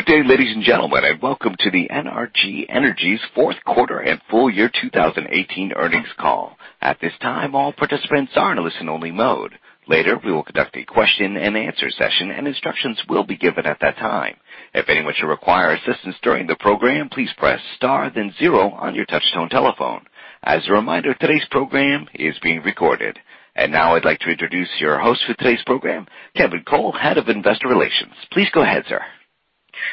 Good day, ladies and gentlemen, and welcome to the NRG Energy's fourth quarter and full year 2018 earnings call. At this time, all participants are in a listen-only mode. Later, we will conduct a question and answer session, and instructions will be given at that time. If anyone should require assistance during the program, please press star then zero on your touchtone telephone. As a reminder, today's program is being recorded. Now I'd like to introduce your host for today's program, Kevin Cole, Head of Investor Relations. Please go ahead, sir.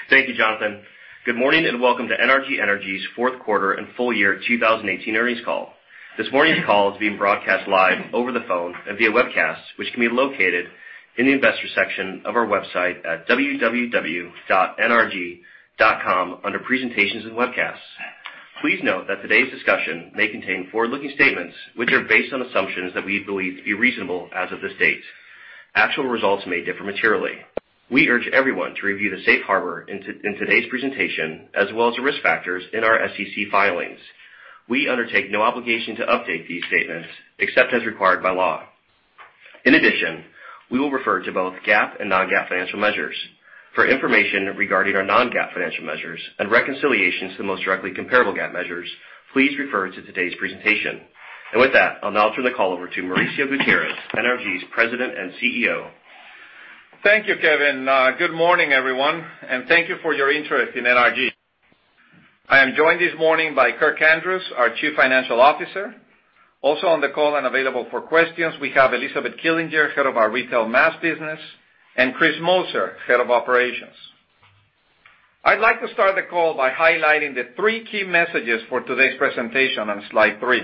Thank you, Jonathan. Good morning, and welcome to NRG Energy's fourth quarter and full year 2018 earnings call. This morning's call is being broadcast live over the phone and via webcast, which can be located in the investor section of our website at www.nrg.com under presentations and webcasts. Please note that today's discussion may contain forward-looking statements, which are based on assumptions that we believe to be reasonable as of this date. Actual results may differ materially. We urge everyone to review the safe harbor in today's presentation, as well as the risk factors in our SEC filings. We undertake no obligation to update these statements except as required by law. In addition, we will refer to both GAAP and non-GAAP financial measures. For information regarding our non-GAAP financial measures and reconciliations to the most directly comparable GAAP measures, please refer to today's presentation. With that, I'll now turn the call over to Mauricio Gutierrez, NRG's President and CEO. Thank you, Kevin. Good morning, everyone, and thank you for your interest in NRG. I am joined this morning by Kirk Andrews, our Chief Financial Officer. Also on the call and available for questions, we have Elizabeth Killinger, Head of our Retail Mass business, and Chris Moser, Head of Operations. I'd like to start the call by highlighting the three key messages for today's presentation on slide three.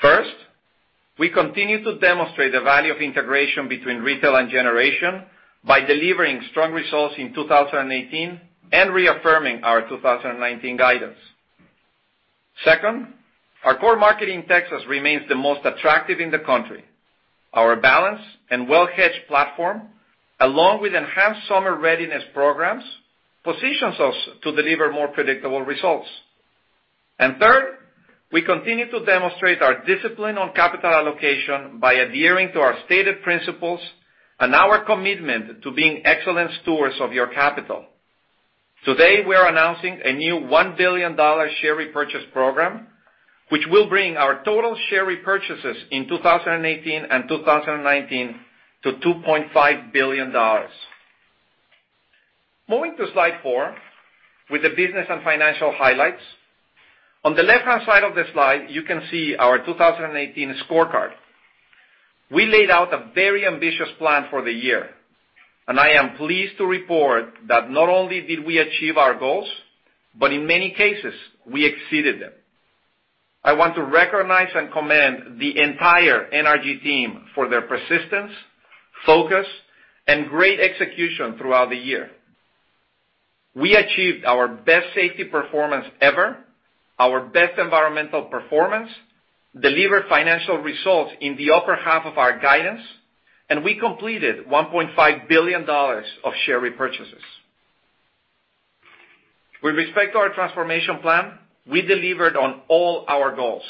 First, we continue to demonstrate the value of integration between retail and generation by delivering strong results in 2018 and reaffirming our 2019 guidance. Second, our core market in Texas remains the most attractive in the country. Our balanced and well-hedged platform, along with enhanced summer readiness programs, positions us to deliver more predictable results. Third, we continue to demonstrate our discipline on capital allocation by adhering to our stated principles and our commitment to being excellent stewards of your capital. Today, we are announcing a new $1 billion share repurchase program, which will bring our total share repurchases in 2018 and 2019 to $2.5 billion. Moving to slide four, with the business and financial highlights. On the left-hand side of the slide, you can see our 2018 scorecard. We laid out a very ambitious plan for the year, and I am pleased to report that not only did we achieve our goals, but in many cases, we exceeded them. I want to recognize and commend the entire NRG team for their persistence, focus, and great execution throughout the year. We achieved our best safety performance ever, our best environmental performance, delivered financial results in the upper half of our guidance, and we completed $1.5 billion of share repurchases. With respect to our transformation plan, we delivered on all our goals.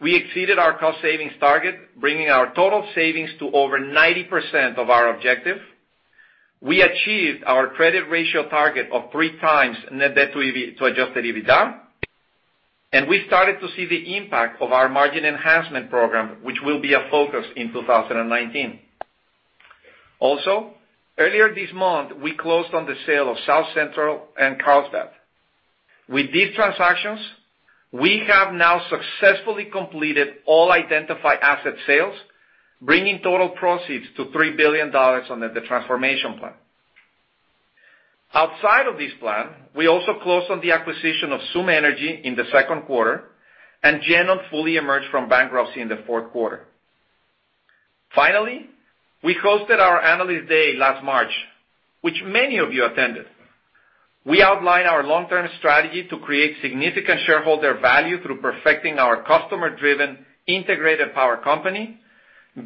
We exceeded our cost savings target, bringing our total savings to over 90% of our objective. We achieved our credit ratio target of three times net debt to adjusted EBITDA, and we started to see the impact of our margin enhancement program, which will be a focus in 2019. Earlier this month, we closed on the sale of South Central and Carlsbad. With these transactions, we have now successfully completed all identified asset sales, bringing total proceeds to $3 billion on the transformation plan. Outside of this plan, we also closed on the acquisition of Stream Energy in the second quarter, and GenOn fully emerged from bankruptcy in the fourth quarter. Finally, we hosted our Analyst Day last March, which many of you attended. We outlined our long-term strategy to create significant shareholder value through perfecting our customer-driven integrated power company,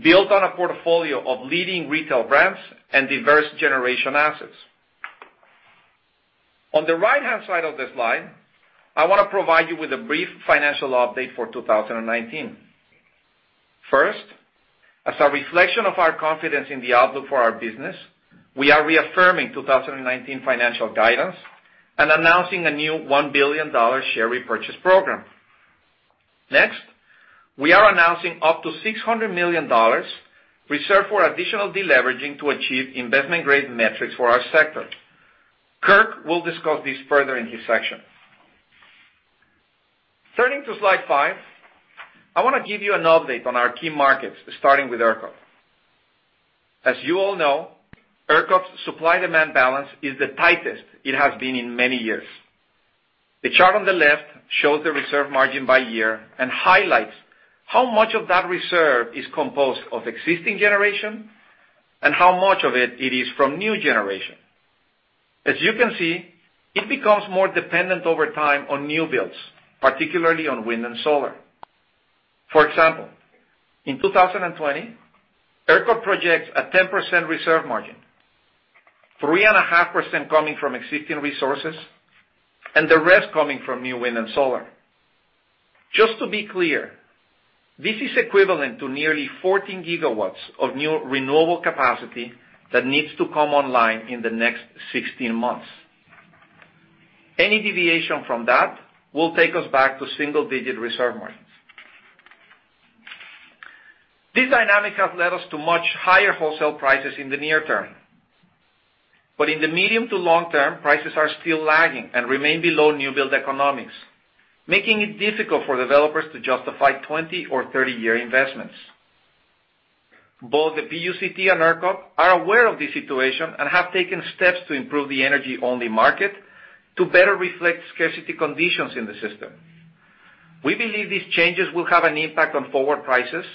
built on a portfolio of leading retail brands and diverse generation assets. On the right-hand side of the slide, I want to provide you with a brief financial update for 2019. First, as a reflection of our confidence in the outlook for our business, we are reaffirming 2019 financial guidance and announcing a new $1 billion share repurchase program. Next, we are announcing up to $600 million reserved for additional deleveraging to achieve investment-grade metrics for our sector. Kirk will discuss this further in his section. Turning to slide five, I want to give you an update on our key markets, starting with ERCOT. As you all know, ERCOT's supply-demand balance is the tightest it has been in many years. The chart on the left shows the reserve margin by year and highlights how much of that reserve is composed of existing generation and how much of it is from new generation. As you can see, it becomes more dependent over time on new builds, particularly on wind and solar. For example, in 2020, ERCOT projects a 10% reserve margin, 3.5% coming from existing resources, and the rest coming from new wind and solar. Just to be clear, this is equivalent to nearly 14 gigawatts of new renewable capacity that needs to come online in the next 16 months. Any deviation from that will take us back to single-digit reserve margins. This dynamic has led us to much higher wholesale prices in the near term. In the medium to long term, prices are still lagging and remain below new build economics, making it difficult for developers to justify 20 or 30-year investments. Both the PUCT and ERCOT are aware of this situation and have taken steps to improve the energy-only market to better reflect scarcity conditions in the system. We believe these changes will have an impact on forward prices,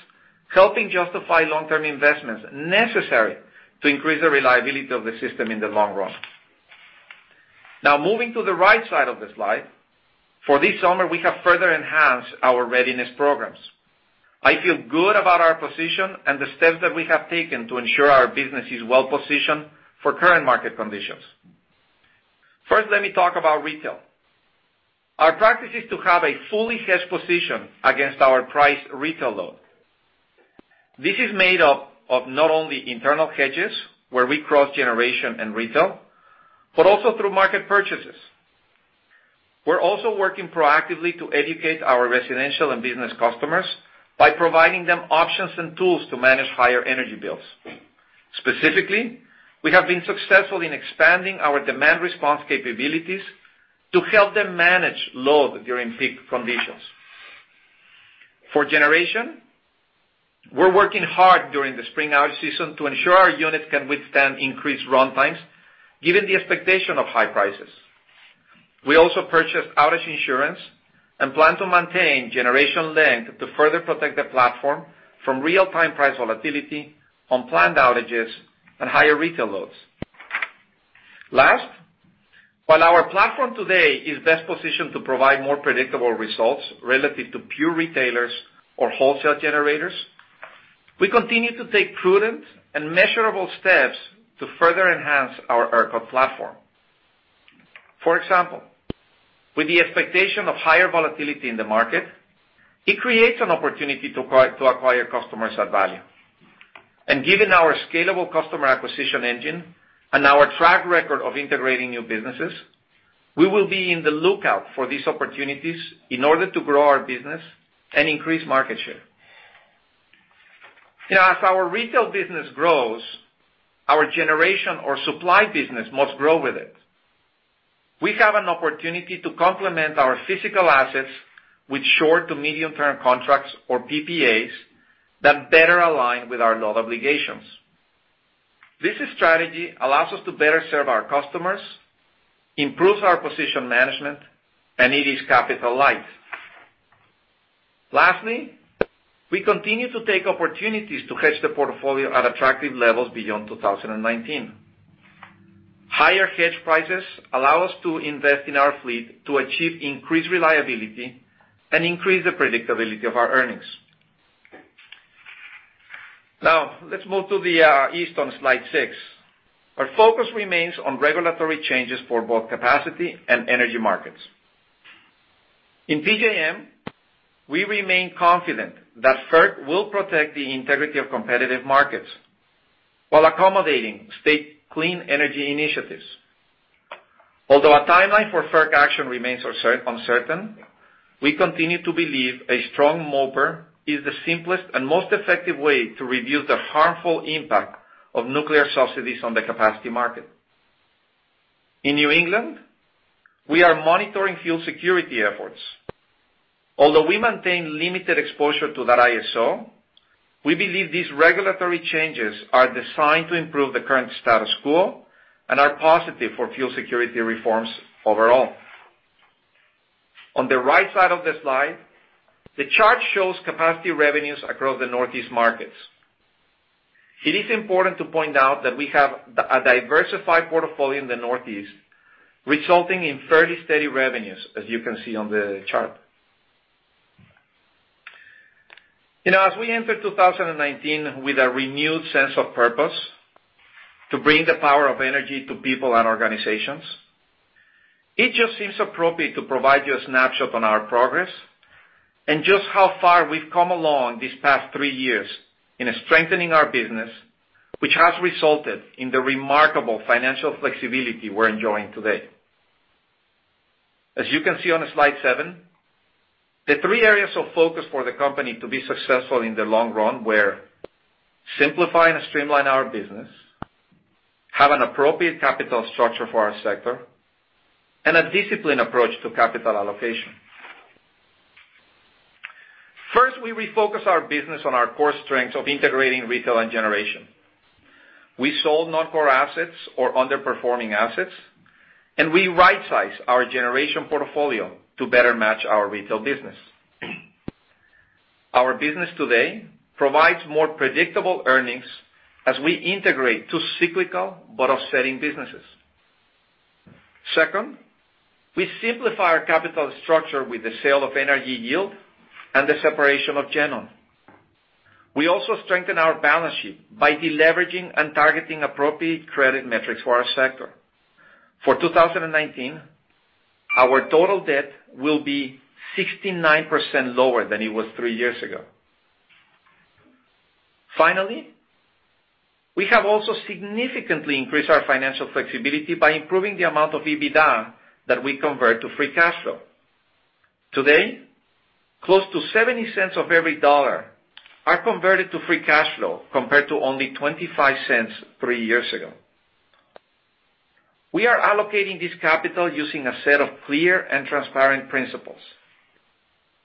helping justify long-term investments necessary to increase the reliability of the system in the long run. Moving to the right side of the slide, for this summer, we have further enhanced our readiness programs. I feel good about our position and the steps that we have taken to ensure our business is well-positioned for current market conditions. First, let me talk about retail. Our practice is to have a fully hedged position against our priced retail load. This is made up of not only internal hedges, where we cross generation and retail, but also through market purchases. We're also working proactively to educate our residential and business customers by providing them options and tools to manage higher energy bills. Specifically, we have been successful in expanding our demand response capabilities to help them manage load during peak conditions. For generation, we're working hard during the spring outage season to ensure our units can withstand increased run times given the expectation of high prices. We also purchased outage insurance and plan to maintain generation length to further protect the platform from real-time price volatility on planned outages and higher retail loads. Last, while our platform today is best positioned to provide more predictable results relative to pure retailers or wholesale generators, we continue to take prudent and measurable steps to further enhance our ERCOT platform. For example, with the expectation of higher volatility in the market, it creates an opportunity to acquire customers at value. Given our scalable customer acquisition engine and our track record of integrating new businesses, we will be in the lookout for these opportunities in order to grow our business and increase market share. As our retail business grows, our generation or supply business must grow with it. We have an opportunity to complement our physical assets with short to medium-term contracts or PPAs that better align with our load obligations. This strategy allows us to better serve our customers, improves our position management, and it is capital light. Lastly, we continue to take opportunities to hedge the portfolio at attractive levels beyond 2019. Higher hedge prices allow us to invest in our fleet to achieve increased reliability and increase the predictability of our earnings. Let's move to the east on slide six. Our focus remains on regulatory changes for both capacity and energy markets. In PJM, we remain confident that FERC will protect the integrity of competitive markets while accommodating state clean energy initiatives. Although a timeline for FERC action remains uncertain, we continue to believe a strong MOPR is the simplest and most effective way to reduce the harmful impact of nuclear subsidies on the capacity market. In New England, we are monitoring fuel security efforts. Although we maintain limited exposure to that ISO, we believe these regulatory changes are designed to improve the current status quo and are positive for fuel security reforms overall. On the right side of the slide, the chart shows capacity revenues across the Northeast markets. It is important to point out that we have a diversified portfolio in the Northeast, resulting in fairly steady revenues, as you can see on the chart. As we enter 2019 with a renewed sense of purpose to bring the power of energy to people and organizations, it just seems appropriate to provide you a snapshot on our progress and just how far we've come along these past three years in strengthening our business, which has resulted in the remarkable financial flexibility we're enjoying today. As you can see on slide seven, the three areas of focus for the company to be successful in the long run were simplify and streamline our business, have an appropriate capital structure for our sector, and a disciplined approach to capital allocation. First, we refocused our business on our core strengths of integrating retail and generation. We sold non-core assets or underperforming assets, we right-sized our generation portfolio to better match our retail business. Our business today provides more predictable earnings as we integrate two cyclical but offsetting businesses. Second, we simplify our capital structure with the sale of NRG Yield and the separation of GenOn. We also strengthen our balance sheet by deleveraging and targeting appropriate credit metrics for our sector. For 2019, our total debt will be 69% lower than it was three years ago. Finally, we have also significantly increased our financial flexibility by improving the amount of EBITDA that we convert to free cash flow. Today, close to $0.70 of every dollar are converted to free cash flow, compared to only $0.25 three years ago. We are allocating this capital using a set of clear and transparent principles.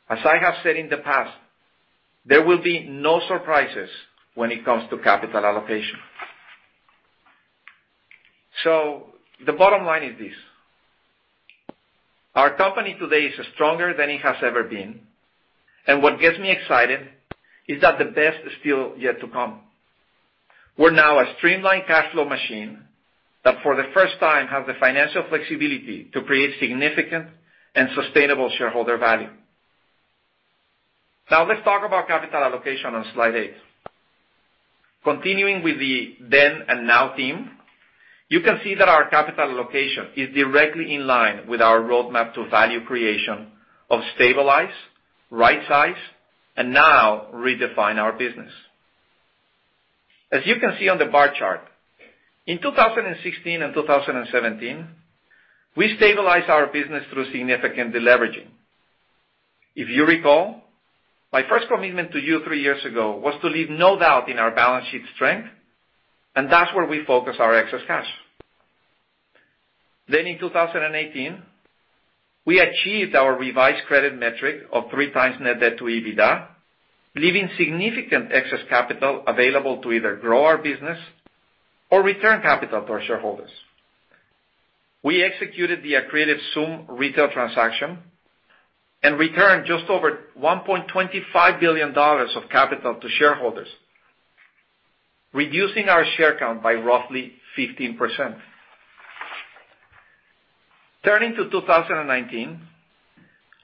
As I have said in the past, there will be no surprises when it comes to capital allocation. The bottom line is this, our company today is stronger than it has ever been, what gets me excited is that the best is still yet to come. We're now a streamlined cash flow machine that, for the first time, has the financial flexibility to create significant and sustainable shareholder value. Let's talk about capital allocation on slide eight. Continuing with the then and now theme, you can see that our capital allocation is directly in line with our roadmap to value creation of stabilize, right-size, and now redefine our business. As you can see on the bar chart, in 2016 and 2017, we stabilized our business through significant deleveraging. If you recall, my first commitment to you three years ago was to leave no doubt in our balance sheet strength, that's where we focused our excess cash. In 2018, we achieved our revised credit metric of three times net debt to EBITDA, leaving significant excess capital available to either grow our business or return capital to our shareholders. We executed the accretive XOOM retail transaction and returned just over $1.25 billion of capital to shareholders, reducing our share count by roughly 15%. Turning to 2019,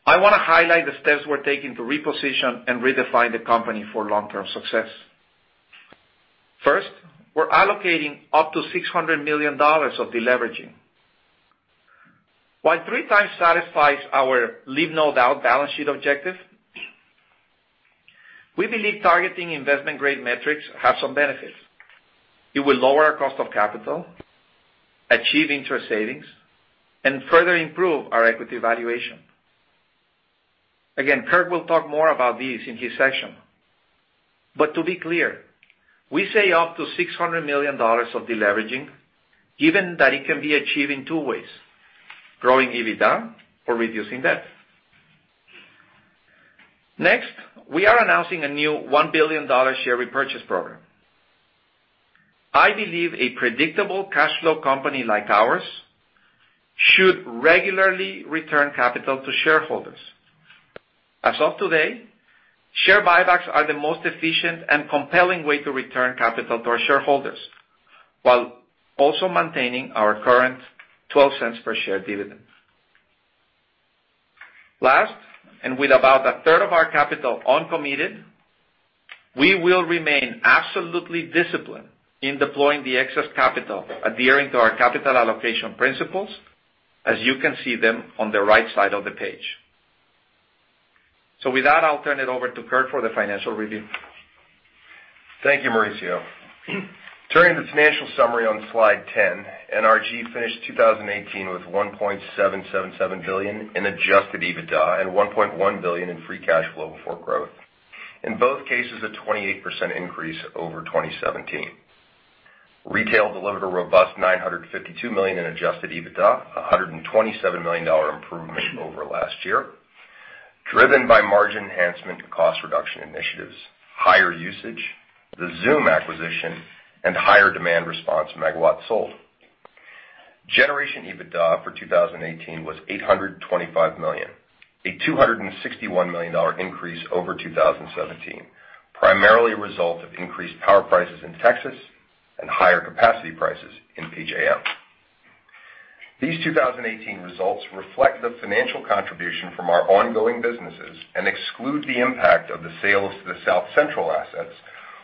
I want to highlight the steps we're taking to reposition and redefine the company for long-term success. First, we're allocating up to $600 million of deleveraging. While three times satisfies our leave no doubt balance sheet objective, we believe targeting investment-grade metrics have some benefits. It will lower our cost of capital, achieve interest savings, further improve our equity valuation. Kirk will talk more about this in his section. To be clear, we say up to $600 million of deleveraging, given that it can be achieved in two ways: growing EBITDA or reducing debt. We are announcing a new $1 billion share repurchase program. I believe a predictable cash flow company like ours should regularly return capital to shareholders. As of today, share buybacks are the most efficient and compelling way to return capital to our shareholders, while also maintaining our current $0.12 per share dividend. With about a third of our capital uncommitted, we will remain absolutely disciplined in deploying the excess capital, adhering to our capital allocation principles as you can see them on the right side of the page. With that, I'll turn it over to Kirk for the financial review. Thank you, Mauricio. Turning to the financial summary on slide 10, NRG finished 2018 with $1.777 billion in adjusted EBITDA and $1.1 billion in free cash flow before growth. In both cases, a 28% increase over 2017. Retail delivered a robust $952 million in adjusted EBITDA, a $127 million improvement over last year, driven by margin enhancement and cost reduction initiatives, higher usage, the XOOM acquisition, and higher demand response megawatts sold. Generation EBITDA for 2018 was $825 million, a $261 million increase over 2017, primarily a result of increased power prices in Texas and higher capacity prices in PJM. These 2018 results reflect the financial contribution from our ongoing businesses and exclude the impact of the sales to the South Central assets,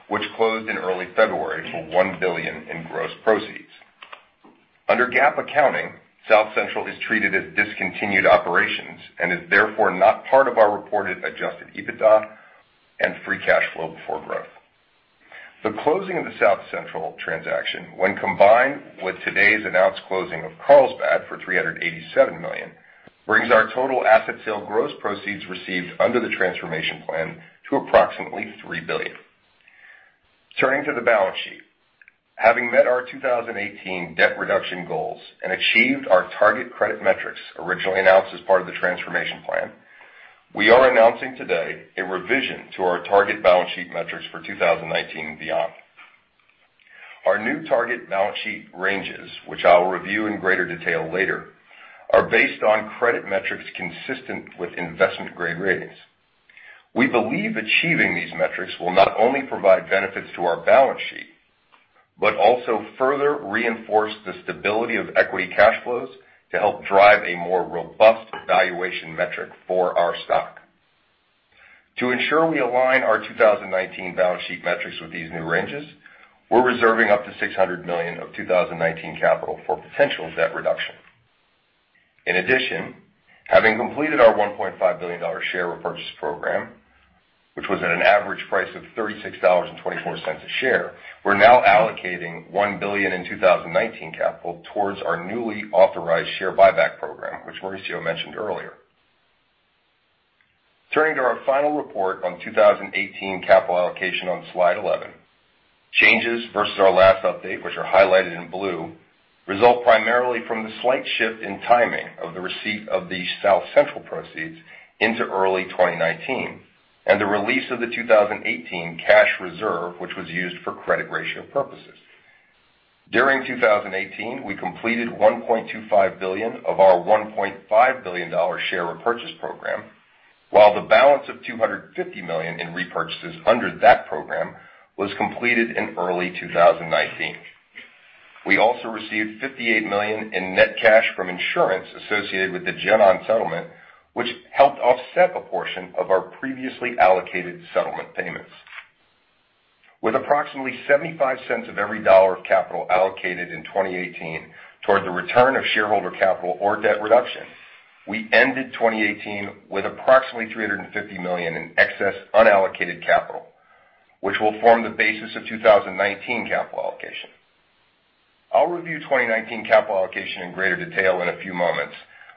which closed in early February for $1 billion in gross proceeds. Under GAAP accounting, South Central is treated as discontinued operations and is therefore not part of our reported adjusted EBITDA and free cash flow before growth. The closing of the South Central transaction, when combined with today's announced closing of Carlsbad for $387 million, brings our total asset sale gross proceeds received under the transformation plan to approximately $3 billion. Turning to the balance sheet. Having met our 2018 debt reduction goals and achieved our target credit metrics originally announced as part of the transformation plan, we are announcing today a revision to our target balance sheet metrics for 2019 and beyond. Our new target balance sheet ranges, which I'll review in greater detail later, are based on credit metrics consistent with investment-grade ratings. We believe achieving these metrics will not only provide benefits to our balance sheet, but also further reinforce the stability of equity cash flows to help drive a more robust valuation metric for our stock. To ensure we align our 2019 balance sheet metrics with these new ranges, we're reserving up to $600 million of 2019 capital for potential debt reduction. Having completed our $1.5 billion share repurchase program, which was at an average price of $36.24 a share, we're now allocating $1 billion in 2019 capital towards our newly authorized share buyback program, which Mauricio mentioned earlier. Turning to our final report on 2018 capital allocation on slide 11. Changes versus our last update, which are highlighted in blue, result primarily from the slight shift in timing of the receipt of the South Central proceeds into early 2019, and the release of the 2018 cash reserve, which was used for credit ratio purposes. During 2018, we completed $1.25 billion of our $1.5 billion share repurchase program, while the balance of $250 million in repurchases under that program was completed in early 2019. We also received $58 million in net cash from insurance associated with the GenOn settlement, which helped offset a portion of our previously allocated settlement payments. With approximately $0.75 of every dollar of capital allocated in 2018 towards the return of shareholder capital or debt reduction, we ended 2018 with approximately $350 million in excess unallocated capital, which will form the basis of 2019 capital allocation. I'll review 2019 capital allocation in greater detail in a few moments,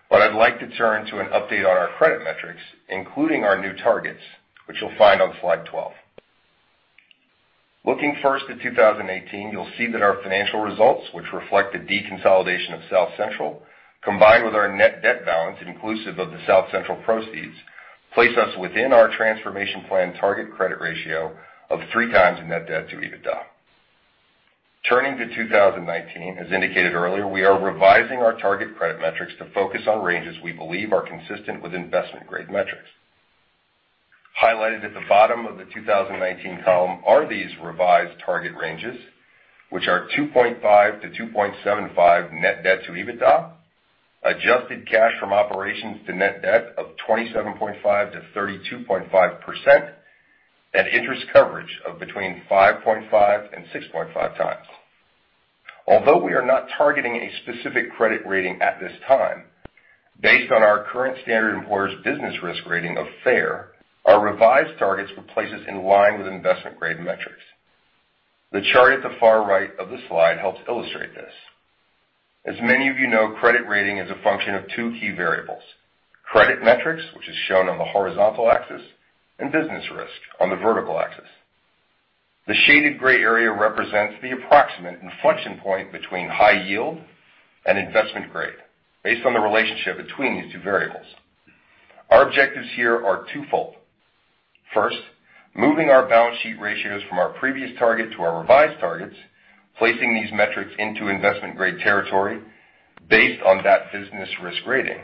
but I'd like to turn to an update on our credit metrics, including our new targets, which you'll find on slide 12. Looking first at 2018, you'll see that our financial results, which reflect the deconsolidation of South Central, combined with our net debt balance inclusive of the South Central proceeds, place us within our transformation plan target credit ratio of three times in net debt to EBITDA. Turning to 2019, as indicated earlier, we are revising our target credit metrics to focus on ranges we believe are consistent with investment-grade metrics. Highlighted at the bottom of the 2019 column are these revised target ranges, which are 2.5-2.75 net debt to EBITDA, adjusted cash from operations to net debt of 27.5%-32.5%, and interest coverage of between 5.5 and 6.5 times. Although we are not targeting a specific credit rating at this time, based on our current Standard and Poor's business risk rating of fair, our revised targets would place us in line with investment-grade metrics. The chart at the far right of the slide helps illustrate this. As many of you know, credit rating is a function of two key variables: credit metrics, which is shown on the horizontal axis, and business risk on the vertical axis. The shaded gray area represents the approximate inflection point between high yield and investment grade, based on the relationship between these two variables. Our objectives here are twofold. First, moving our balance sheet ratios from our previous target to our revised targets, placing these metrics into investment-grade territory based on that business risk rating.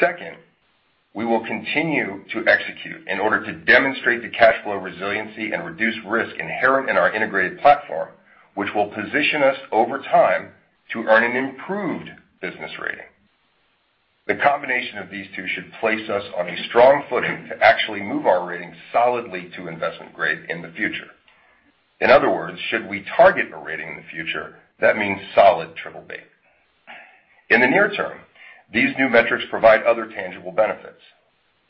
Second, we will continue to execute in order to demonstrate the cash flow resiliency and reduced risk inherent in our integrated platform, which will position us over time to earn an improved business rating. The combination of these two should place us on a strong footing to actually move our rating solidly to investment grade in the future. In other words, should we target a rating in the future, that means solid triple B. In the near term, these new metrics provide other tangible benefits.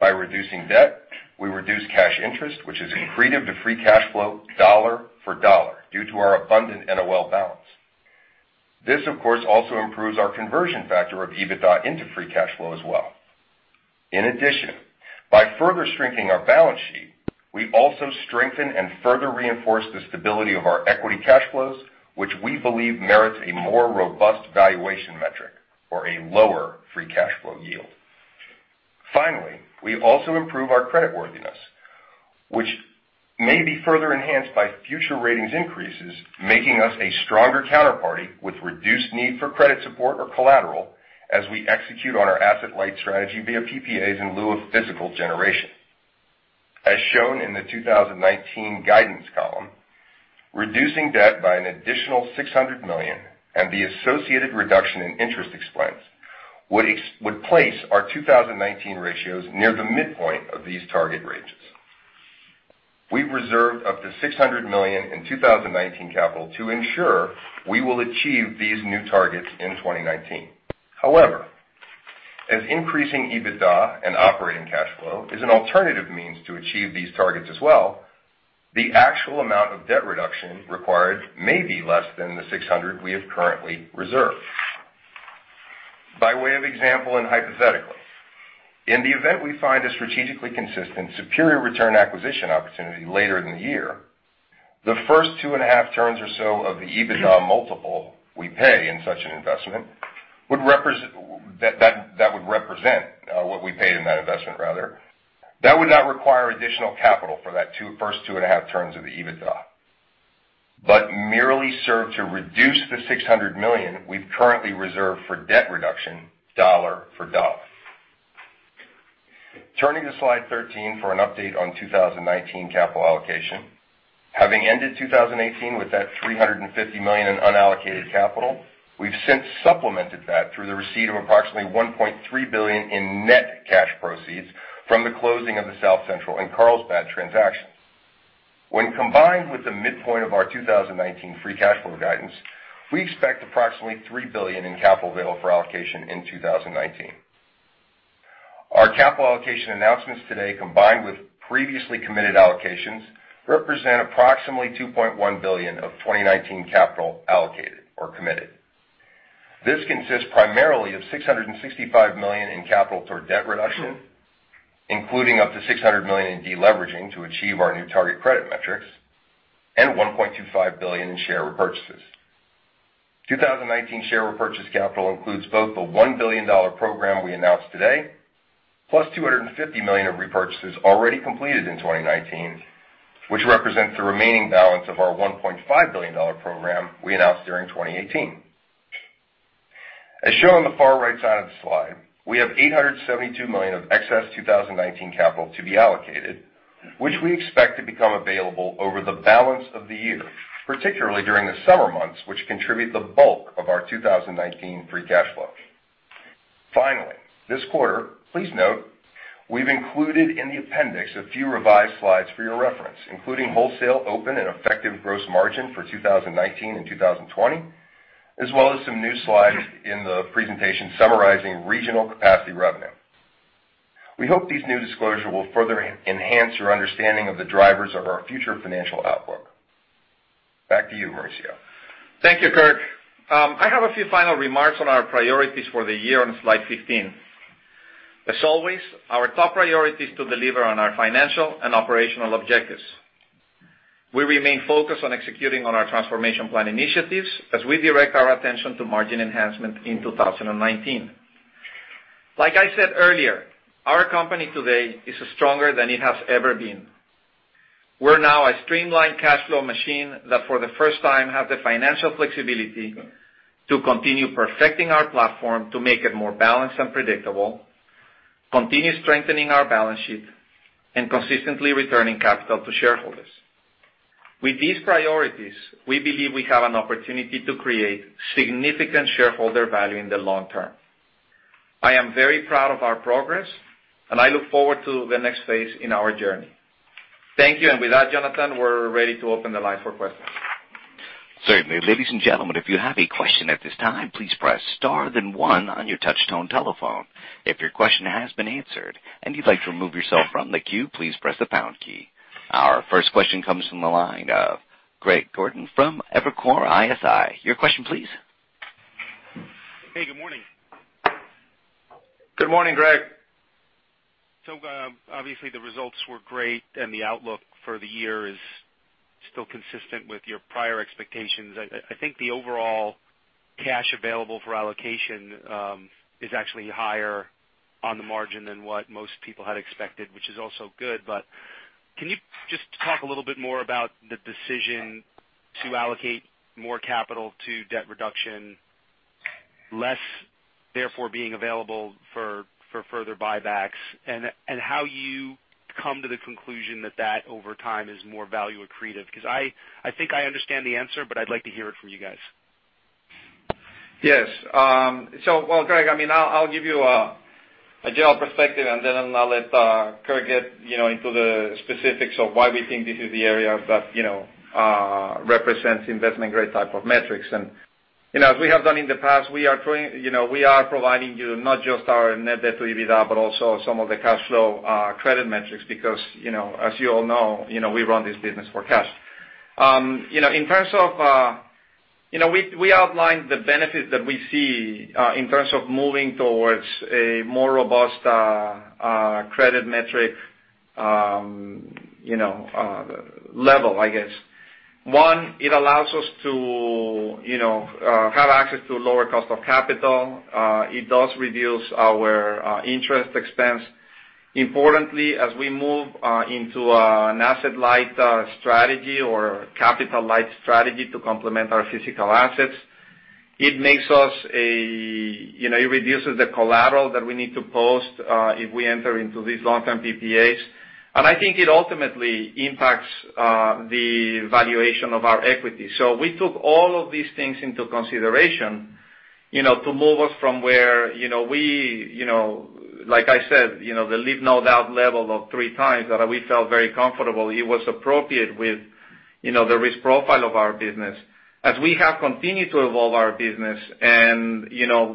By reducing debt, we reduce cash interest, which is accretive to free cash flow dollar for dollar due to our abundant NOL balance. This, of course, also improves our conversion factor of EBITDA into free cash flow as well. In addition, by further shrinking our balance sheet, we also strengthen and further reinforce the stability of our equity cash flows, which we believe merits a more robust valuation metric or a lower free cash flow yield. Finally, we also improve our credit worthiness, which may be further enhanced by future ratings increases, making us a stronger counterparty with reduced need for credit support or collateral as we execute on our asset-light strategy via PPAs in lieu of physical generation. As shown in the 2019 guidance column, reducing debt by an additional $600 million and the associated reduction in interest expense would place our 2019 ratios near the midpoint of these target ranges. We've reserved up to $600 million in 2019 capital to ensure we will achieve these new targets in 2019. However, as increasing EBITDA and operating cash flow is an alternative means to achieve these targets as well, the actual amount of debt reduction required may be less than the $600 million we have currently reserved. By way of example and hypothetically, in the event we find a strategically consistent superior return acquisition opportunity later in the year, the first two and a half turns or so of the EBITDA multiple we pay in such an investment would represent what we paid in that investment, rather. That would not require additional capital for that first two and a half turns of the EBITDA, but merely serve to reduce the $600 million we've currently reserved for debt reduction dollar for dollar. Turning to slide 13 for an update on 2019 capital allocation. Having ended 2018 with that $350 million in unallocated capital, we've since supplemented that through the receipt of approximately $1.3 billion in net cash proceeds from the closing of the South Central and Carlsbad transaction. When combined with the midpoint of our 2019 free cash flow guidance, we expect approximately $3 billion in capital available for allocation in 2019. Our capital allocation announcements today, combined with previously committed allocations, represent approximately $2.1 billion of 2019 capital allocated or committed. This consists primarily of $665 million in capital toward debt reduction, including up to $600 million in de-leveraging to achieve our new target credit metrics, and $1.25 billion in share repurchases. 2019 share repurchase capital includes both the $1 billion program we announced today, plus $250 million of repurchases already completed in 2019, which represents the remaining balance of our $1.5 billion program we announced during 2018. As shown on the far right side of the slide, we have $872 million of excess 2019 capital to be allocated, which we expect to become available over the balance of the year, particularly during the summer months, which contribute the bulk of our 2019 free cash flow. Finally, this quarter, please note, we have included in the appendix a few revised slides for your reference, including wholesale open and effective gross margin for 2019 and 2020, as well as some new slides in the presentation summarizing regional capacity revenue. We hope these new disclosure will further enhance your understanding of the drivers of our future financial outlook. Back to you, Mauricio. Thank you, Kirk. I have a few final remarks on our priorities for the year on slide 15. As always, our top priority is to deliver on our financial and operational objectives. We remain focused on executing on our transformation plan initiatives as we direct our attention to margin enhancement in 2019. Like I said earlier, our company today is stronger than it has ever been. We are now a streamlined cash flow machine that for the first time has the financial flexibility to continue perfecting our platform to make it more balanced and predictable, continue strengthening our balance sheet, and consistently returning capital to shareholders. With these priorities, we believe we have an opportunity to create significant shareholder value in the long term. I am very proud of our progress, and I look forward to the next phase in our journey. Thank you, and with that, Jonathan, we are ready to open the line for questions. Certainly. Ladies and gentlemen, if you have a question at this time, please press star then one on your touch-tone telephone. If your question has been answered and you would like to remove yourself from the queue, please press the pound key. Our first question comes from the line of Greg Gordon from Evercore ISI. Your question please. Hey, good morning. Good morning, Greg. Obviously the results were great and the outlook for the year is still consistent with your prior expectations. I think the overall cash available for allocation is actually higher on the margin than what most people had expected, which is also good. Can you just talk a little bit more about the decision to allocate more capital to debt reduction, less therefore being available for further buybacks, and how you come to the conclusion that that over time is more value accretive? Because I think I understand the answer, but I'd like to hear it from you guys. Yes. Well, Greg, I'll give you a general perspective, and then I'll let Kirk get into the specifics of why we think this is the area that represents investment-grade type of metrics. As we have done in the past, we are providing you not just our net debt to EBITDA, but also some of the cash flow credit metrics because, as you all know, we run this business for cash. We outlined the benefit that we see in terms of moving towards a more robust credit metric level, I guess. One, it allows us to have access to lower cost of capital. It does reduce our interest expense. Importantly, as we move into an asset-light strategy or capital-light strategy to complement our physical assets, it reduces the collateral that we need to post if we enter into these long-term PPAs. I think it ultimately impacts the valuation of our equity. We took all of these things into consideration to move us from where we, like I said, the leave no doubt level of 3 times that we felt very comfortable it was appropriate with the risk profile of our business. As we have continued to evolve our business and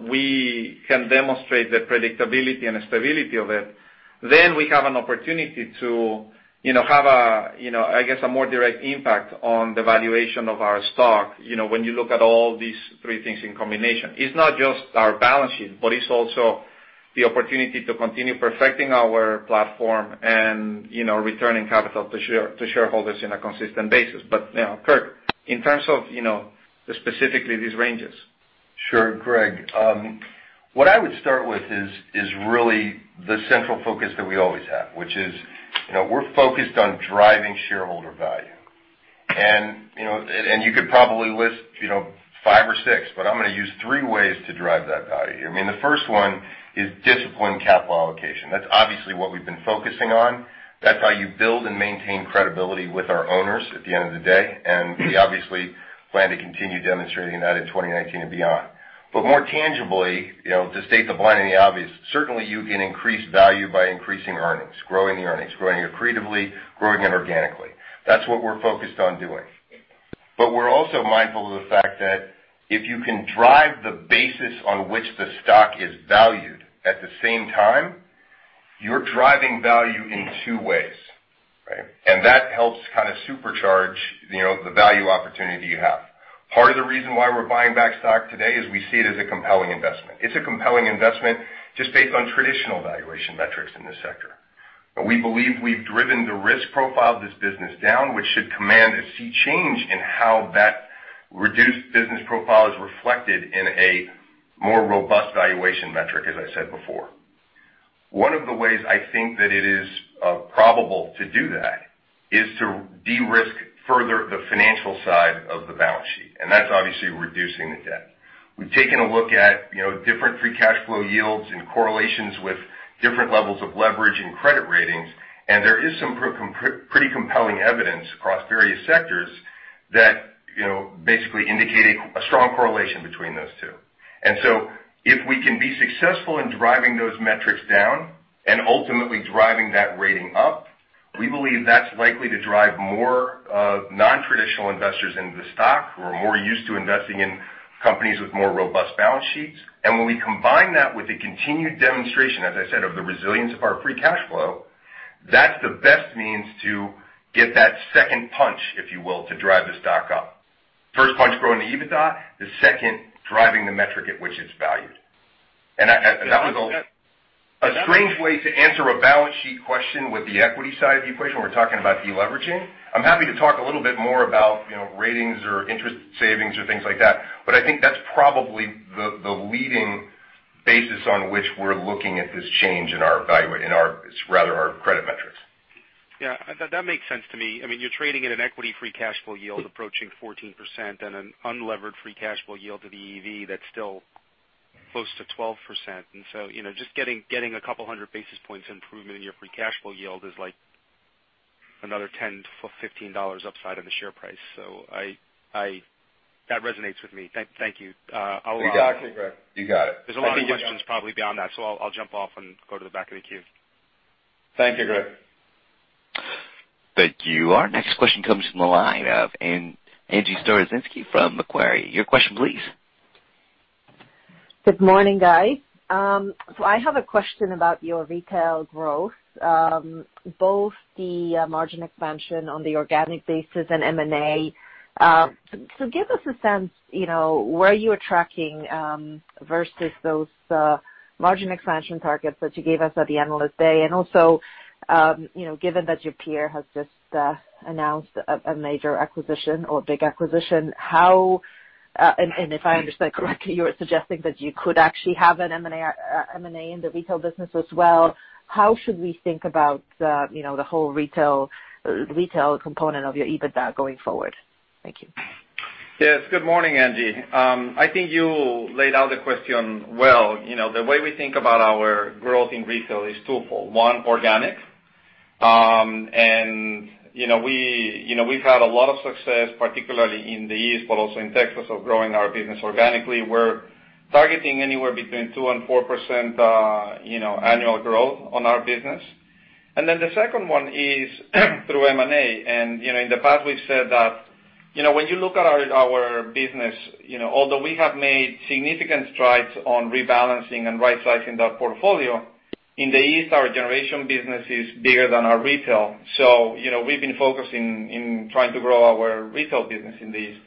we can demonstrate the predictability and stability of it, then we have an opportunity to have a more direct impact on the valuation of our stock, when you look at all these 3 things in combination. It's not just our balance sheet, but it's also the opportunity to continue perfecting our platform and returning capital to shareholders in a consistent basis. Kirk, in terms of specifically these ranges. Sure, Greg. What I would start with is really the central focus that we always have, which is we're focused on driving shareholder value. You could probably list five or six, but I'm going to use three ways to drive that value here. The first one is disciplined capital allocation. That's obviously what we've been focusing on. That's how you build and maintain credibility with our owners at the end of the day. We obviously plan to continue demonstrating that in 2019 and beyond. More tangibly, to state the blindingly obvious, certainly you can increase value by increasing earnings, growing the earnings, growing accretively, growing it organically. That's what we're focused on doing. We're also mindful of the fact that if you can drive the basis on which the stock is valued at the same time, you're driving value in two ways, right? That helps kind of supercharge the value opportunity you have. Part of the reason why we're buying back stock today is we see it as a compelling investment. It's a compelling investment just based on traditional valuation metrics in this sector. We believe we've driven the risk profile of this business down, which should command a sea change in how that reduced business profile is reflected in a more robust valuation metric, as I said before. One of the ways I think that it is probable to do that is to de-risk further the financial side of the balance sheet, and that's obviously reducing the debt. We've taken a look at different free cash flow yields and correlations with different levels of leverage and credit ratings, and there is some pretty compelling evidence across various sectors that basically indicate a strong correlation between those two. If we can be successful in driving those metrics down and ultimately driving that rating up, we believe that's likely to drive more of non-traditional investors into the stock who are more used to investing in companies with more robust balance sheets. When we combine that with a continued demonstration, as I said, of the resilience of our free cash flow, that's the best means to get that second punch, if you will, to drive the stock up. First punch, growing the EBITDA, the second, driving the metric at which it's valued. That was a strange way to answer a balance sheet question with the equity side of the equation when we're talking about de-leveraging. I'm happy to talk a little bit more about ratings or interest savings or things like that. I think that's probably the leading basis on which we're looking at this change in our credit metrics. Yeah, that makes sense to me. You're trading at an equity free cash flow yield approaching 14% and an unlevered free cash flow yield to the EV that's still close to 12%. Just getting a couple of 100 basis points improvement in your free cash flow yield is like another $10-$15 upside on the share price. That resonates with me. Thank you. Exactly, Greg. You got it. There's a lot of good questions probably beyond that. I'll jump off and go to the back of the queue. Thank you, Greg. Thank you. Our next question comes from the line of Angie Storozynski from Macquarie. Your question, please. Good morning, guys. I have a question about your retail growth, both the margin expansion on the organic basis and M&A. Give us a sense, where you are tracking versus those margin expansion targets that you gave us at the Analyst Day. Also, given that your peer has just announced a major acquisition or big acquisition, and if I understand correctly, you're suggesting that you could actually have an M&A in the retail business as well, how should we think about the whole retail component of your EBITDA going forward? Thank you. Yes. Good morning, Angie. I think you laid out the question well. The way we think about our growth in retail is twofold. One, organic. We've had a lot of success, particularly in the East but also in Texas, of growing our business organically. We're targeting anywhere between 2%-4% annual growth on our business. Then the second one is through M&A. In the past we've said that when you look at our business, although we have made significant strides on rebalancing and right-sizing that portfolio, in the East, our generation business is bigger than our retail. We've been focusing in trying to grow our retail business in the East.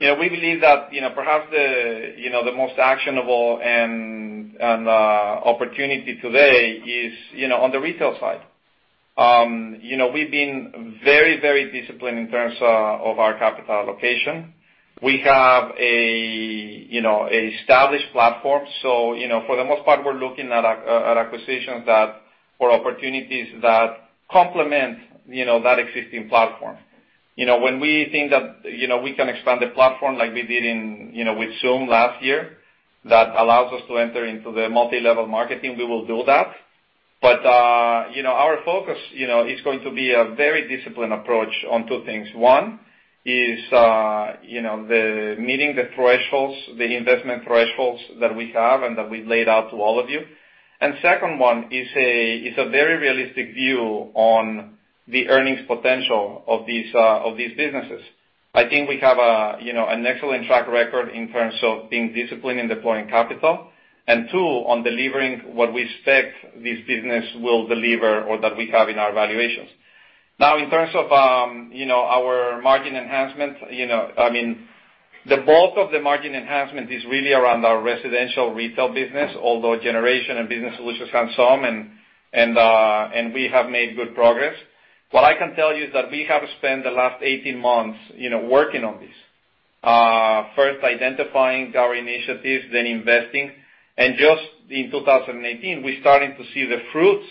We believe that perhaps the most actionable and opportunity today is on the retail side. We've been very disciplined in terms of our capital allocation. We have a established platform. For the most part, we're looking at acquisitions for opportunities that complement that existing platform. When we think that we can expand the platform like we did with XOOM last year, that allows us to enter into the multi-level marketing, we will do that. Our focus is going to be a very disciplined approach on two things. One is meeting the investment thresholds that we have and that we laid out to all of you. Second one is a very realistic view on the earnings potential of these businesses. I think we have an excellent track record in terms of being disciplined in deploying capital. Two, on delivering what we expect this business will deliver or that we have in our valuations. In terms of our margin enhancement, the bulk of the margin enhancement is really around our residential retail business, although generation and business solutions have some, and we have made good progress. What I can tell you is that we have spent the last 18 months working on this. First identifying our initiatives, then investing. Just in 2018, we're starting to see the fruits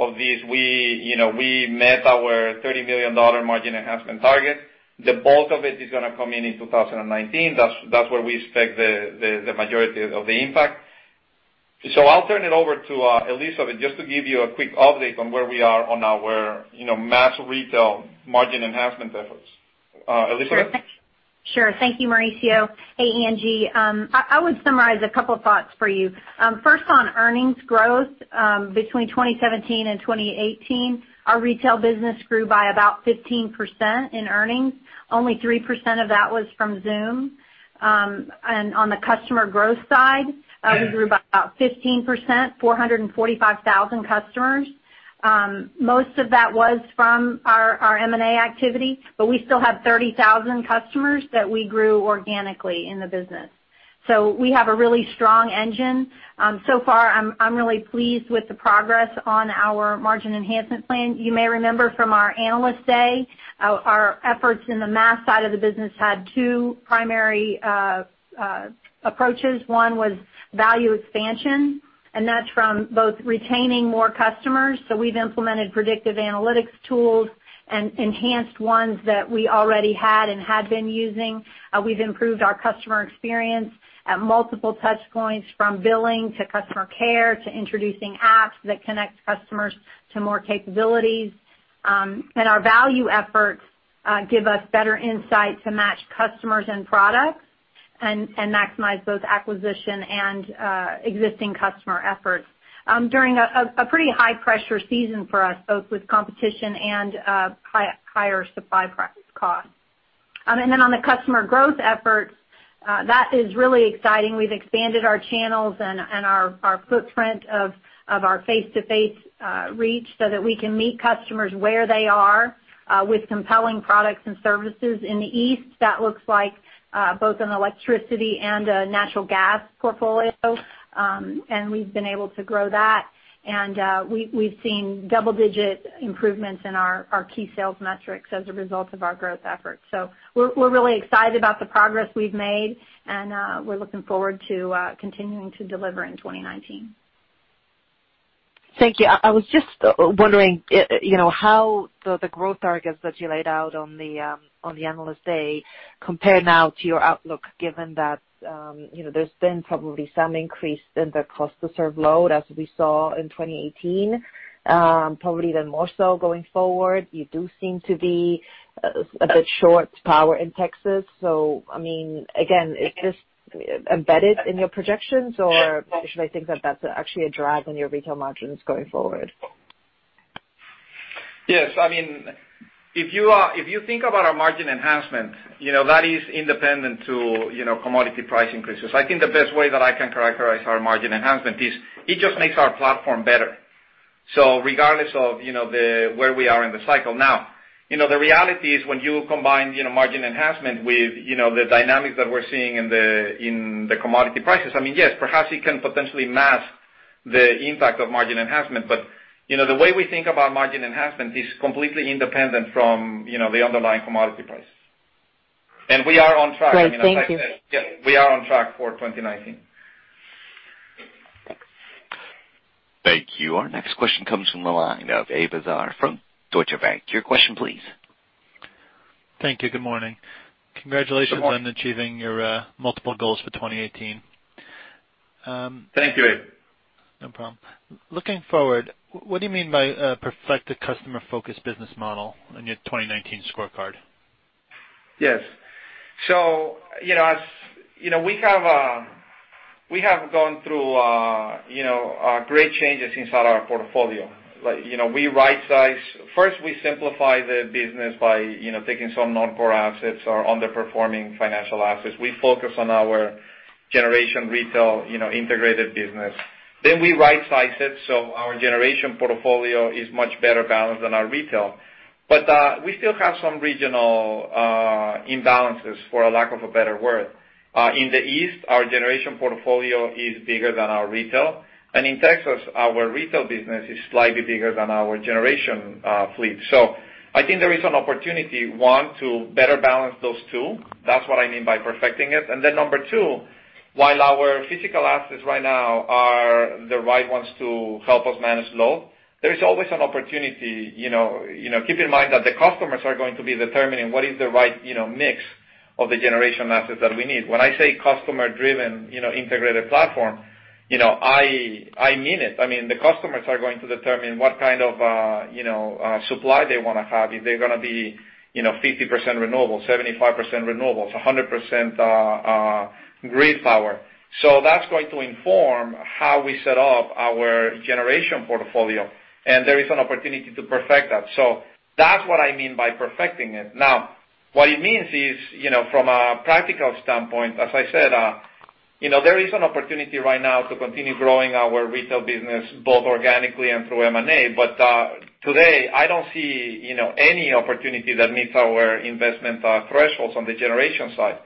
Of these, we met our $30 million margin enhancement target. The bulk of it is going to come in in 2019. That's where we expect the majority of the impact. I'll turn it over to Elisa just to give you a quick update on where we are on our mass retail margin enhancement efforts. Elisa? Sure. Thank you, Mauricio. Hey, Angie. I would summarize a couple thoughts for you. First, on earnings growth, between 2017 and 2018, our retail business grew by about 15% in earnings. Only 3% of that was from XOOM. On the customer growth side, we grew by about 15%, 445,000 customers. Most of that was from our M&A activity, but we still have 30,000 customers that we grew organically in the business. Far, I'm really pleased with the progress on our margin enhancement plan. You may remember from our Analyst Day, our efforts in the mass side of the business had two primary approaches. One was value expansion, and that's from both retaining more customers, so we've implemented predictive analytics tools and enhanced ones that we already had and had been using. We've improved our customer experience at multiple touchpoints, from billing to customer care, to introducing apps that connect customers to more capabilities. Our value efforts give us better insight to match customers and products and maximize both acquisition and existing customer efforts during a pretty high-pressure season for us, both with competition and higher supply costs. On the customer growth efforts, that is really exciting. We've expanded our channels and our footprint of our face-to-face reach so that we can meet customers where they are with compelling products and services. In the East, that looks like both an electricity and a natural gas portfolio, and we've been able to grow that. We've seen double-digit improvements in our key sales metrics as a result of our growth efforts. We're really excited about the progress we've made, and we're looking forward to continuing to deliver in 2019. Thank you. I was just wondering how the growth targets that you laid out on the Analyst Day compare now to your outlook, given that there's been probably some increase in the cost to serve load, as we saw in 2018. More so going forward. You do seem to be a bit short power in Texas. Again, is this embedded in your projections, or should I think that that's actually a drag on your retail margins going forward? Yes. If you think about our margin enhancement, that is independent to commodity price increases. I think the best way that I can characterize our margin enhancement is it just makes our platform better, so regardless of where we are in the cycle now. The reality is, when you combine margin enhancement with the dynamics that we're seeing in the commodity prices, yes, perhaps it can potentially mask the impact of margin enhancement. The way we think about margin enhancement is completely independent from the underlying commodity price. We are on track- Right. Thank you. like I said. Yeah. We are on track for 2019. Thank you. Our next question comes from the line of Abe Nizam from Deutsche Bank. Your question please. Thank you. Good morning. Good morning. Congratulations on achieving your multiple goals for 2018. Thank you, Abe. No problem. Looking forward, what do you mean by a perfected customer-focused business model on your 2019 scorecard? Yes. We have gone through great changes inside our portfolio. First, we simplify the business by taking some non-core assets or underperforming financial assets. We focus on our generation retail integrated business. We rightsize it, so our generation portfolio is much better balanced than our retail. We still have some regional imbalances, for lack of a better word. In the East, our generation portfolio is bigger than our retail, and in Texas, our retail business is slightly bigger than our generation fleet. I think there is an opportunity, one, to better balance those two. That's what I mean by perfecting it. Number two, while our physical assets right now are the right ones to help us manage load, there is always an opportunity. Keep in mind that the customers are going to be determining what is the right mix of the generation assets that we need. When I say customer-driven integrated platform, I mean it. The customers are going to determine what kind of supply they want to have. If they're going to be 50% renewable, 75% renewables, 100% grid power. That's going to inform how we set up our generation portfolio. There is an opportunity to perfect that. That's what I mean by perfecting it. Now, what it means is, from a practical standpoint, as I said, there is an opportunity right now to continue growing our retail business, both organically and through M&A. Today, I don't see any opportunity that meets our investment thresholds on the generation side.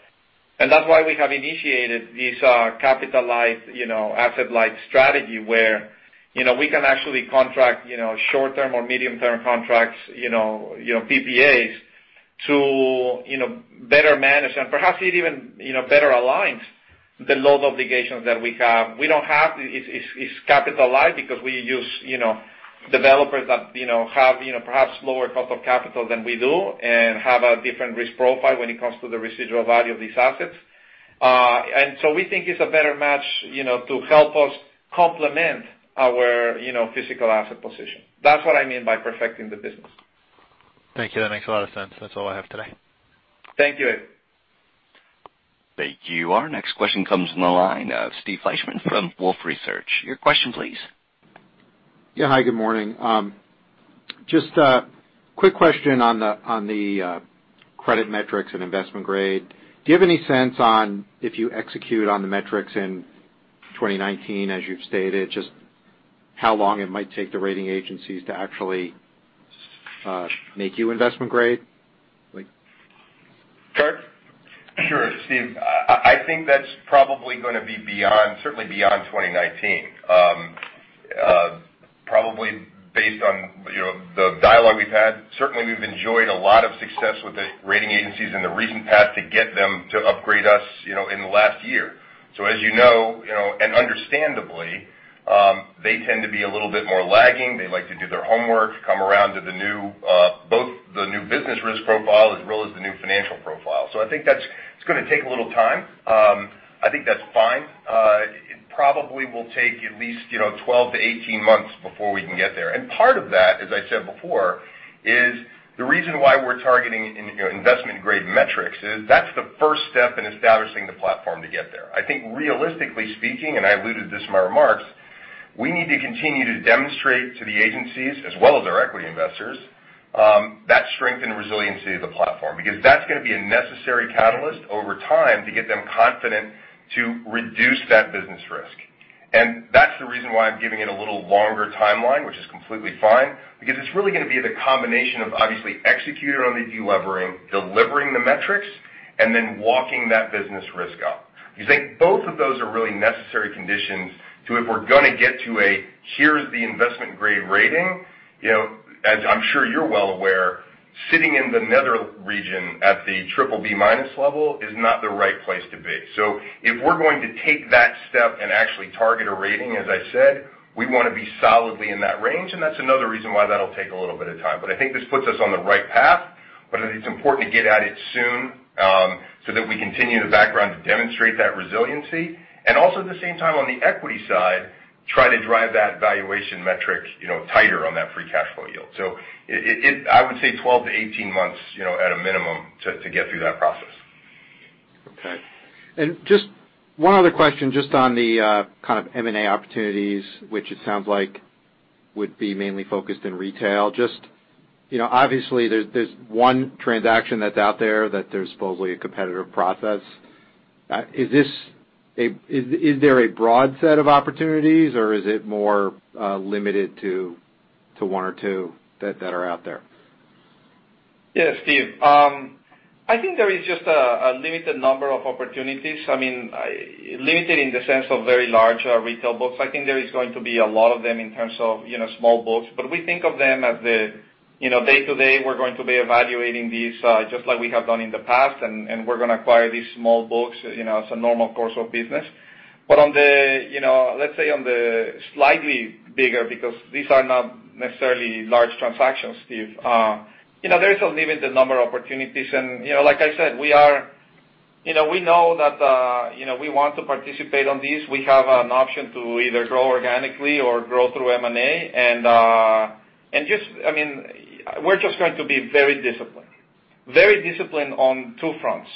That's why we have initiated these capital asset light strategy where we can actually contract short-term or medium-term contracts, PPAs, to better manage and perhaps it even better aligns the loan obligations that we have. It's capitalized because we use developers that have perhaps lower cost of capital than we do and have a different risk profile when it comes to the residual value of these assets. We think it's a better match to help us complement our physical asset position. That's what I mean by perfecting the business. Thank you. That makes a lot of sense. That's all I have today. Thank you, Abe. Thank you. Our next question comes from the line of Steve Fleishman from Wolfe Research. Your question, please. Yeah. Hi, good morning. Just a quick question on the credit metrics and investment grade. Do you have any sense on if you execute on the metrics in 2019, as you've stated, just how long it might take the rating agencies to actually make you investment grade? Like Kirk? Sure, Steve. I think that's probably going to be certainly beyond 2019. Probably based on the dialogue we've had, certainly we've enjoyed a lot of success with the rating agencies in the recent past to get them to upgrade us in the last year. As you know, and understandably, they tend to be a little bit more lagging. They like to do their homework, come around to both the new business risk profile as well as the new financial profile. I think that's going to take a little time. I think that's fine. It probably will take at least 12 to 18 months before we can get there. Part of that, as I said before, is the reason why we're targeting investment-grade metrics is that's the first step in establishing the platform to get there. I think realistically speaking, I alluded this in my remarks, we need to continue to demonstrate to the agencies as well as our equity investors, that strength and resiliency of the platform. That's going to be a necessary catalyst over time to get them confident to reduce that business risk. That's the reason why I'm giving it a little longer timeline, which is completely fine, because it's really going to be the combination of obviously executing on the de-levering, delivering the metrics, and then walking that business risk up. I think both of those are really necessary conditions to, if we're going to get to a, here's the investment grade rating, as I'm sure you're well aware, sitting in the nether region at the triple B minus level is not the right place to be. If we're going to take that step and actually target a rating, as I said, we want to be solidly in that range. That's another reason why that'll take a little bit of time. I think this puts us on the right path, but it's important to get at it soon, so that we continue the background to demonstrate that resiliency. Also at the same time on the equity side, try to drive that valuation metric tighter on that free cash flow yield. I would say 12 to 18 months at a minimum to get through that process. Okay. Just one other question, just on the kind of M&A opportunities, which it sounds like would be mainly focused in retail. Obviously, there's one transaction that's out there that there's supposedly a competitive process. Is there a broad set of opportunities or is it more limited to one or two that are out there? Yeah, Steve. I think there is just a limited number of opportunities. I mean, limited in the sense of very large retail books. I think there is going to be a lot of them in terms of small books. We think of them as the day to day, we're going to be evaluating these, just like we have done in the past, and we're going to acquire these small books as a normal course of business. Let's say on the slightly bigger, because these are not necessarily large transactions, Steve. There is a limited number of opportunities. Like I said, we know that we want to participate on these. We have an option to either grow organically or grow through M&A. We're just going to be very disciplined. Very disciplined on two fronts.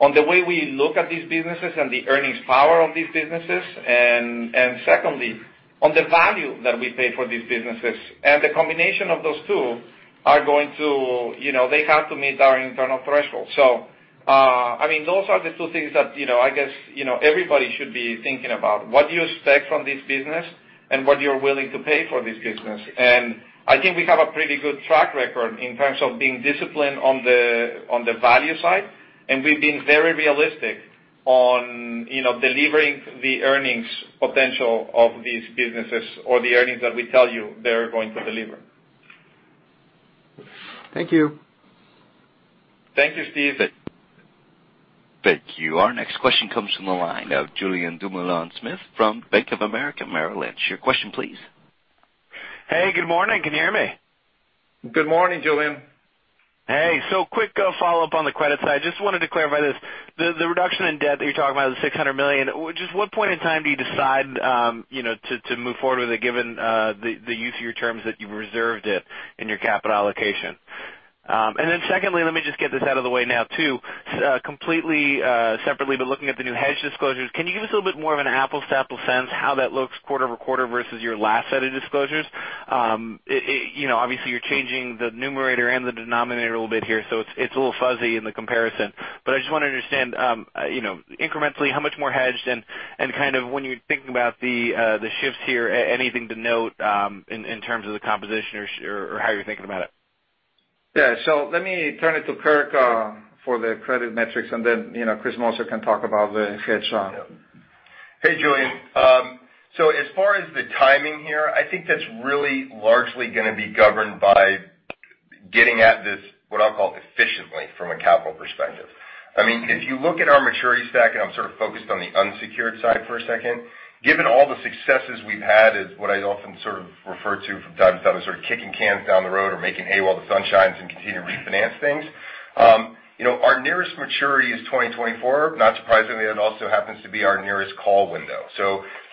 On the way we look at these businesses and the earnings power of these businesses, secondly, on the value that we pay for these businesses. The combination of those two are going to have to meet our internal threshold. Those are the two things that I guess everybody should be thinking about. What do you expect from this business and what you're willing to pay for this business? I think we have a pretty good track record in terms of being disciplined on the value side, and we've been very realistic on delivering the earnings potential of these businesses or the earnings that we tell you they're going to deliver. Thank you. Thank you, Steve. Thank you. Our next question comes from the line of Julien Dumoulin-Smith from Bank of America Merrill Lynch. Your question, please. Hey, good morning. Can you hear me? Good morning, Julien. Hey. Quick follow-up on the credit side. Just wanted to clarify this, the reduction in debt that you're talking about is $600 million. Just what point in time do you decide to move forward with it, given the use of your terms that you reserved it in your capital allocation? Secondly, let me just get this out of the way now too. Completely separately, but looking at the new hedge disclosures, can you give us a little bit more of an apples-to-apples sense how that looks quarter-over-quarter versus your last set of disclosures? Obviously you're changing the numerator and the denominator a little bit here, so it's a little fuzzy in the comparison. I just want to understand, incrementally, how much more hedged and kind of when you're thinking about the shifts here, anything to note in terms of the composition or how you're thinking about it? Yeah. Let me turn it to Kirk for the credit metrics, and then Chris Moser can talk about the hedge. Hey, Julien. As far as the timing here, I think that's really largely going to be governed by getting at this, what I'll call efficiently from a capital perspective. If you look at our maturity stack, and I'm sort of focused on the unsecured side for a second, given all the successes we've had, is what I often sort of refer to from time to time as sort of kicking cans down the road or making hay while the sun shines and continue to refinance things. Our nearest maturity is 2024. Not surprisingly, that also happens to be our nearest call window.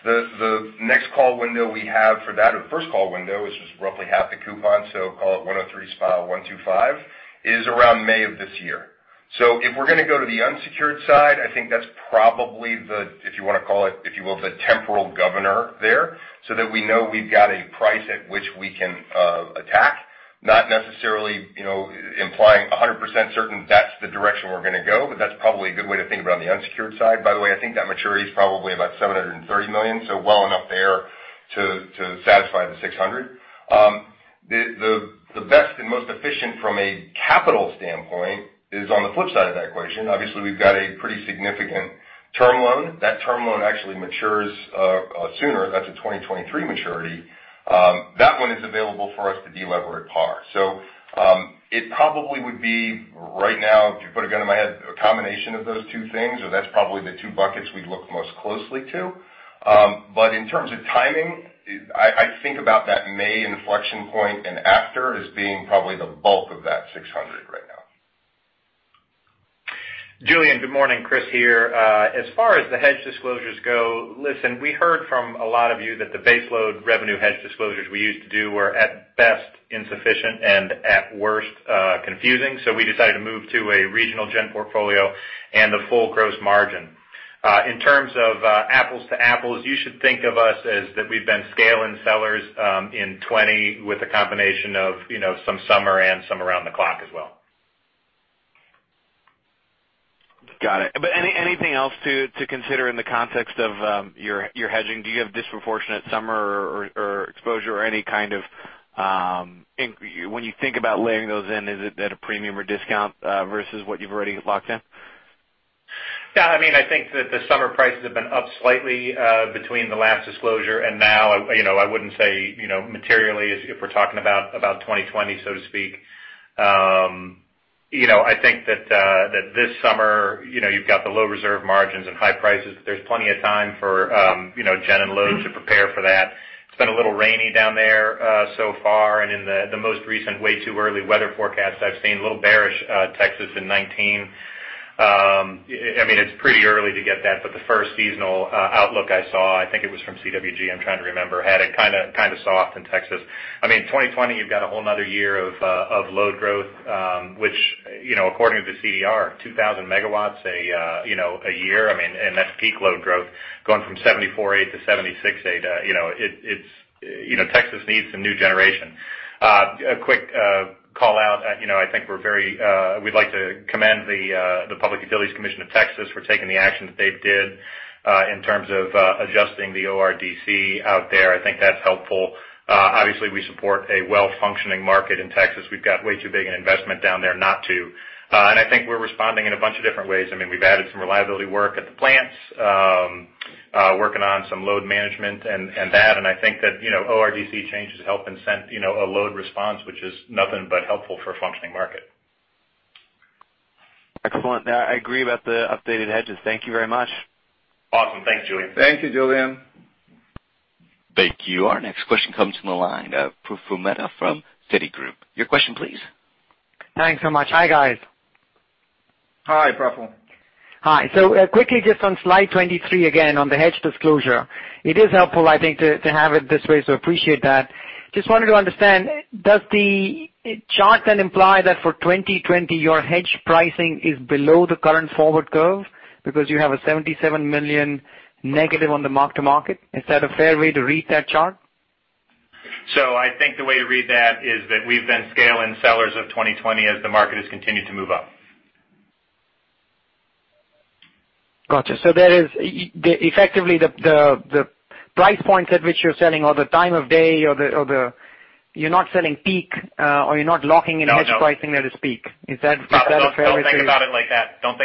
The next call window we have for that, or the first call window, is just roughly half the coupon, call it 103.125, is around May of this year. If we're going to go to the unsecured side, I think that's probably the, if you want to call it, if you will, the temporal governor there, so that we know we've got a price at which we can attack, not necessarily implying 100% certain that's the direction we're going to go. That's probably a good way to think about the unsecured side. By the way, I think that maturity is probably about $730 million, so well enough there to satisfy the $600. The best and most efficient from a capital standpoint is on the flip side of that equation. Obviously, we've got a pretty significant term loan. That term loan actually matures sooner. That's a 2023 maturity. That one is available for us to delever at par. It probably would be right now, if you put a gun to my head, a combination of those two things, or that's probably the two buckets we'd look most closely to. In terms of timing, I think about that May inflection point and after as being probably the bulk of that $600 right now. Julien, good morning. Chris here. As far as the hedge disclosures go, listen, we heard from a lot of you that the base load revenue hedge disclosures we used to do were at best insufficient and at worst confusing. We decided to move to a regional gen portfolio and a full gross margin. In terms of apples to apples, you should think of us as that we've been scale and sellers in 2020 with a combination of some summer and some around the clock as well. Got it. Anything else to consider in the context of your hedging? Do you have disproportionate summer or exposure or any kind of, when you think about laying those in, is it at a premium or discount versus what you've already locked in? I think that the summer prices have been up slightly between the last disclosure and now. I wouldn't say materially if we're talking about 2020, so to speak. I think that this summer you've got the low reserve margins and high prices. There's plenty of time for gen and load to prepare for that. It's been a little rainy down there so far, and in the most recent, way too early weather forecast I've seen, a little bearish Texas in 2019. It's pretty early to get that, the first seasonal outlook I saw, I think it was from CWG, I'm trying to remember, had it kind of soft in Texas. 2020, you've got a whole another year of load growth, which according to the CDR, 2,000 megawatts a year. That's peak load growth going from 74 eight to 76 eight. Texas needs some new generation. A quick call-out. We'd like to commend the Public Utility Commission of Texas for taking the action that they did in terms of adjusting the ORDC out there. I think that's helpful. Obviously, we support a well-functioning market in Texas. We've got way too big an investment down there not to. I think we're responding in a bunch of different ways. We've added some reliability work at the plants, working on some load management and that, and I think that ORDC changes help incent a load response, which is nothing but helpful for a functioning market. Excellent. I agree about the updated hedges. Thank you very much. Awesome. Thanks, Julien. Thank you, Julien. Thank you. Our next question comes from the line of Praful Mehta from Citigroup. Your question, please. Thanks so much. Hi, guys. Hi, Praful. Hi. Quickly, just on slide 23, again, on the hedge disclosure. It is helpful, I think, to have it this way, so appreciate that. Just wanted to understand, does the chart then imply that for 2020, your hedge pricing is below the current forward curve because you have a $77 million negative on the mark to market? Is that a fair way to read that chart? I think the way to read that is that we've been scale-in sellers of 2020 as the market has continued to move up. Got you. Effectively, the price points at which you're selling or the time of day or You're not selling peak or you're not locking in a hedge pricing? No that is peak. Is that a fair way? Praful, don't think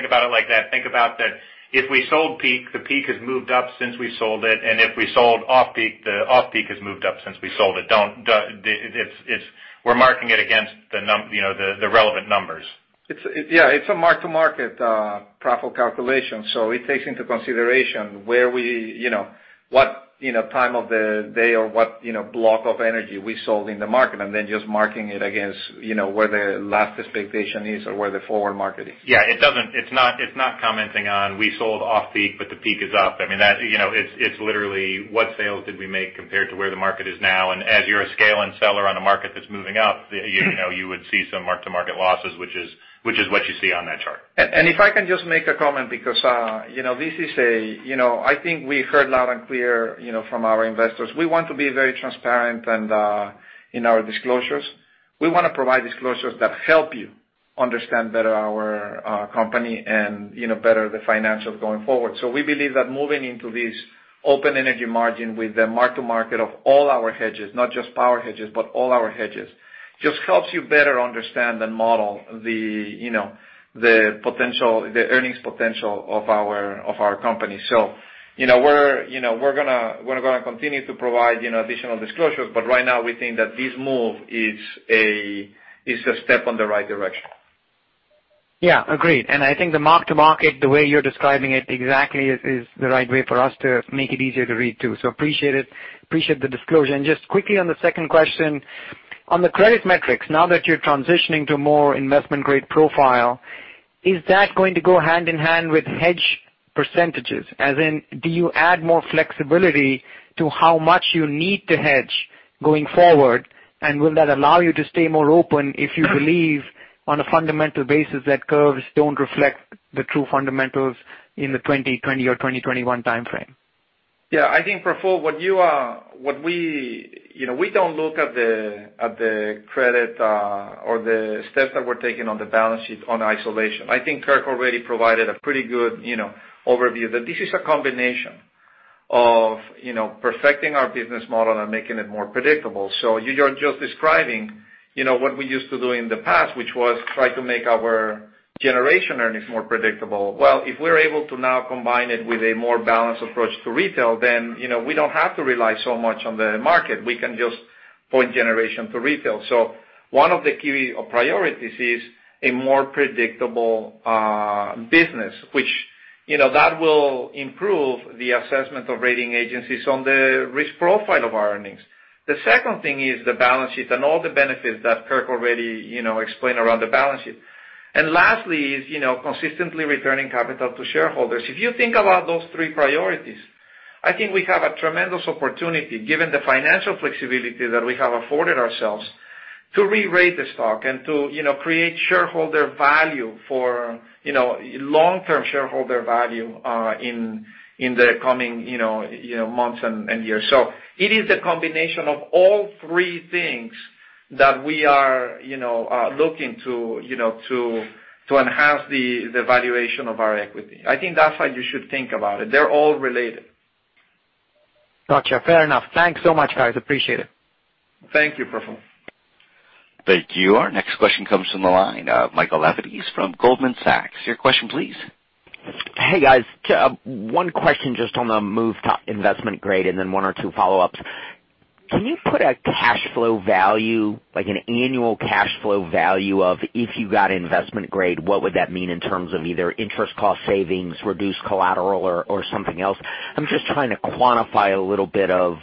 about it like that. Think about that if we sold peak, the peak has moved up since we sold it, and if we sold off peak, the off peak has moved up since we sold it. We're marking it against the relevant numbers. Yeah, it's a mark to market Praful calculation. It takes into consideration what time of the day or what block of energy we sold in the market and then just marking it against where the last expectation is or where the forward market is. Yeah, it's not commenting on we sold off peak, but the peak is up. It's literally what sales did we make compared to where the market is now. As you're a scale-in seller on a market that's moving up, you would see some mark to market losses, which is what you see on that chart. If I can just make a comment because I think we heard loud and clear from our investors. We want to be very transparent in our disclosures. We want to provide disclosures that help you understand better our company and better the financials going forward. We believe that moving into this open energy margin with the mark to market of all our hedges, not just power hedges, but all our hedges, just helps you better understand and model the earnings potential of our company. We're going to continue to provide additional disclosures, but right now we think that this move is a step in the right direction. Yeah, agreed. I think the mark-to-market, the way you're describing it exactly, is the right way for us to make it easier to read too. Appreciate it. Appreciate the disclosure. Just quickly on the second question, on the credit metrics, now that you're transitioning to more investment-grade profile, is that going to go hand-in-hand with hedge percentages? As in, do you add more flexibility to how much you need to hedge going forward? Will that allow you to stay more open if you believe on a fundamental basis that curves don't reflect the true fundamentals in the 2020 or 2021 timeframe? Yeah. I think, Praful, we don't look at the credit or the steps that we're taking on the balance sheet on isolation. I think Kirk already provided a pretty good overview, that this is a combination of perfecting our business model and making it more predictable. You're just describing what we used to do in the past, which was try to make our generation earnings more predictable. Well, if we're able to now combine it with a more balanced approach to retail, then we don't have to rely so much on the market. We can just point generation to retail. One of the key priorities is a more predictable business, which that will improve the assessment of rating agencies on the risk profile of our earnings. The second thing is the balance sheet and all the benefits that Kirk already explained around the balance sheet. Lastly is consistently returning capital to shareholders. If you think about those three priorities, I think we have a tremendous opportunity, given the financial flexibility that we have afforded ourselves to rerate the stock and to create shareholder value for long-term shareholder value in the coming months and years. It is a combination of all three things that we are looking to enhance the valuation of our equity. I think that's how you should think about it. They're all related. Got you. Fair enough. Thanks so much, guys. Appreciate it. Thank you, Praful. Thank you. Our next question comes from the line of Michael Lapides. He's from Goldman Sachs. Your question please. Hey, guys. One question just on the move to investment grade and then one or two follow-ups. Can you put a cash flow value, like an annual cash flow value of if you got investment grade, what would that mean in terms of either interest cost savings, reduced collateral or something else? I'm just trying to quantify a little bit of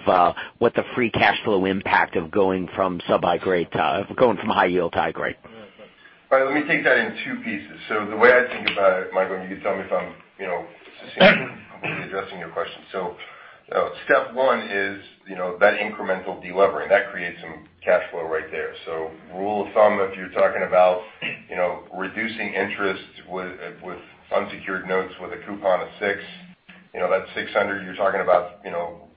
what the free cash flow impact of going from high yield to high grade. All right. Let me take that in two pieces. The way I think about it, Michael, and you can tell me if I'm completely addressing your question. Step one is that incremental de-levering, that creates some cash flow right there. Rule of thumb, if you're talking about reducing interest with unsecured notes with a coupon of six, that's $600, you're talking about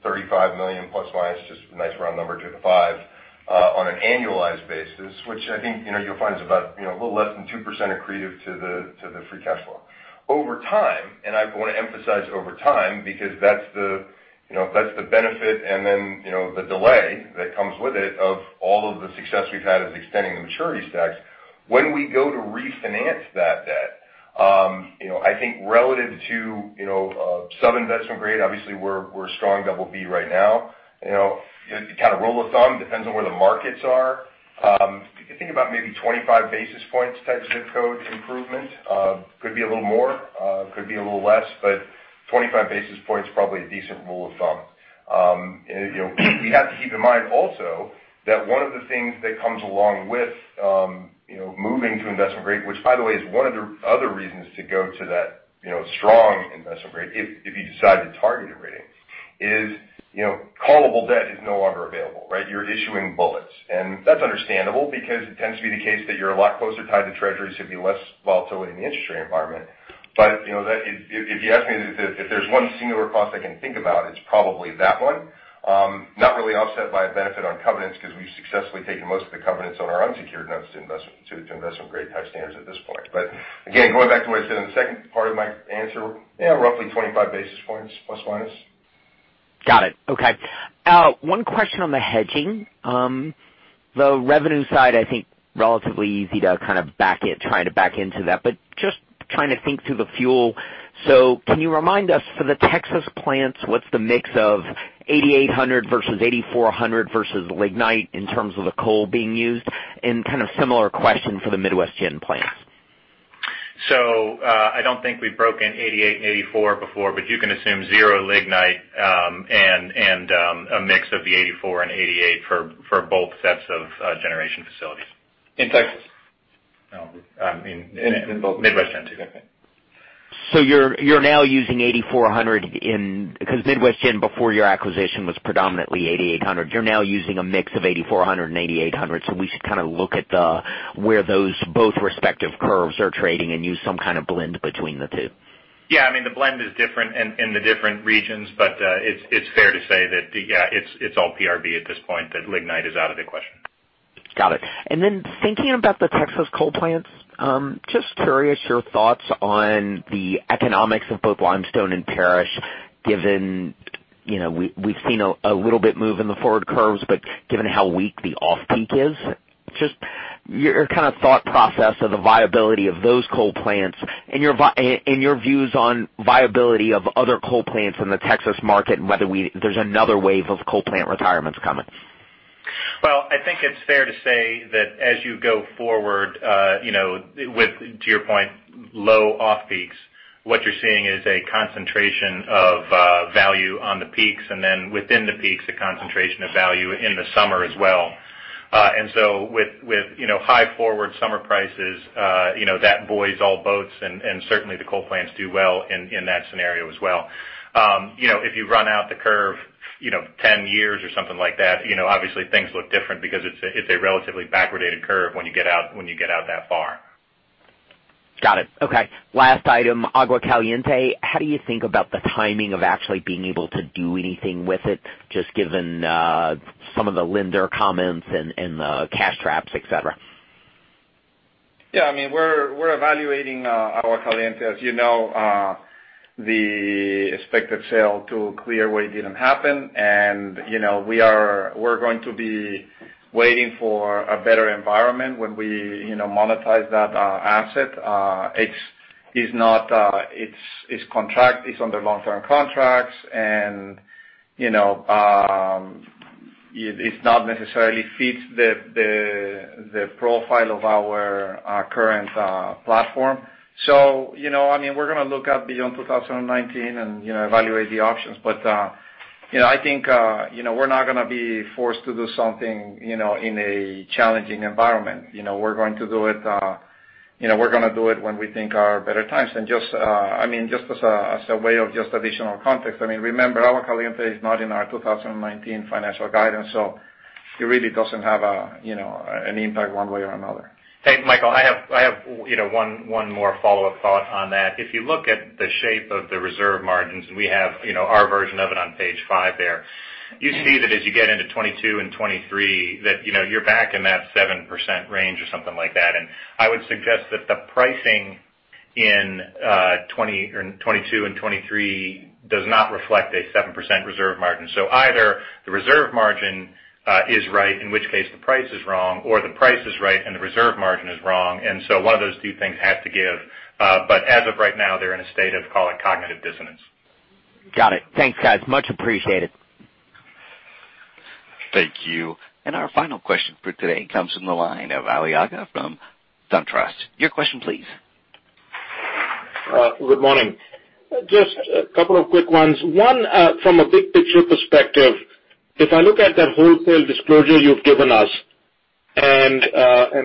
$35 million ±, just a nice round number, $25 on an annualized basis, which I think you'll find is about a little less than 2% accretive to the free cash flow. Over time, I want to emphasize over time, because that's the benefit and then the delay that comes with it of all of the success we've had of extending the maturity stacks. When we go to refinance that debt I think relative to sub-investment grade, obviously we're strong BB right now. Kind of rule of thumb, depends on where the markets are. If you think about maybe 25 basis points type of zip code improvement, could be a little more, could be a little less, but 25 basis points probably a decent rule of thumb. You have to keep in mind also that one of the things that comes along with moving to investment grade, which by the way is one of the other reasons to go to that strong investment grade if you decide to target a rating, is callable debt is no longer available, right? You're issuing bullets, and that's understandable because it tends to be the case that you're a lot closer tied to Treasury, so you have less volatility in the interest rate environment. If you ask me if there's one singular cost I can think about, it's probably that one. Not really offset by a benefit on covenants because we've successfully taken most of the covenants on our unsecured notes to investment grade type standards at this point. Again, going back to what I said in the second part of my answer, roughly 25 basis points ±. Got it. Okay. One question on the hedging. The revenue side, I think relatively easy to kind of try to back into that, but just trying to think through the fuel. Can you remind us for the Texas plants, what's the mix of 8,800 versus 8,400 versus lignite in terms of the coal being used? And kind of similar question for the Midwest Generation plants. I don't think we've broken 88 and 84 before, but you can assume zero lignite and a mix of the 84 and 88 for both sets of generation facilities. In Texas. No. In both. Midwest Generation too. You're now using 8,400 in, because Midwest Generation before your acquisition was predominantly 8,800. You're now using a mix of 8,400 and 8,800. We should kind of look at where those both respective curves are trading and use some kind of blend between the two. Yeah. The blend is different in the different regions, but it's fair to say that, yeah, it's all PRB at this point, that lignite is out of the question. Got it. Then thinking about the Texas coal plants, just curious your thoughts on the economics of both Limestone and Parish, given we've seen a little bit move in the forward curves, but given how weak the off-peak is, Your kind of thought process of the viability of those coal plants and your views on viability of other coal plants in the Texas market, and whether there's another wave of coal plant retirements coming. Well, I think it's fair to say that as you go forward, with, to your point, low off-peaks, what you're seeing is a concentration of value on the peaks, and then within the peaks, a concentration of value in the summer as well. With high forward summer prices, that buoys all boats, and certainly the coal plants do well in that scenario as well. If you run out the curve 10 years or something like that, obviously things look different because it's a relatively backwardated curve when you get out that far. Got it. Okay. Last item, Agua Caliente. How do you think about the timing of actually being able to do anything with it, just given some of the lender comments and the cash traps, et cetera? Yeah. We're evaluating Agua Caliente. As you know, the expected sale to Clearway didn't happen, we're going to be waiting for a better environment when we monetize that asset. It's under long-term contracts and it's not necessarily fit the profile of our current platform. We're going to look out beyond 2019 and evaluate the options. I think we're not going to be forced to do something in a challenging environment. We're going to do it when we think are better times. Just as a way of just additional context, remember Agua Caliente is not in our 2019 financial guidance, so it really doesn't have an impact one way or another. Hey, Michael, I have one more follow-up thought on that. If you look at the shape of the reserve margins, we have our version of it on page five there. You see that as you get into 2022 and 2023, that you're back in that 7% range or something like that. I would suggest that the pricing in 2022 and 2023 does not reflect a 7% reserve margin. Either the reserve margin is right, in which case the price is wrong, or the price is right and the reserve margin is wrong, one of those two things has to give. But as of right now, they're in a state of, call it, cognitive dissonance. Got it. Thanks, guys. Much appreciated. Thank you. Our final question for today comes from the line of Ali Agha from SunTrust. Your question please. Good morning. Just a couple of quick ones. One, from a big picture perspective, if I look at that wholesale disclosure you've given us and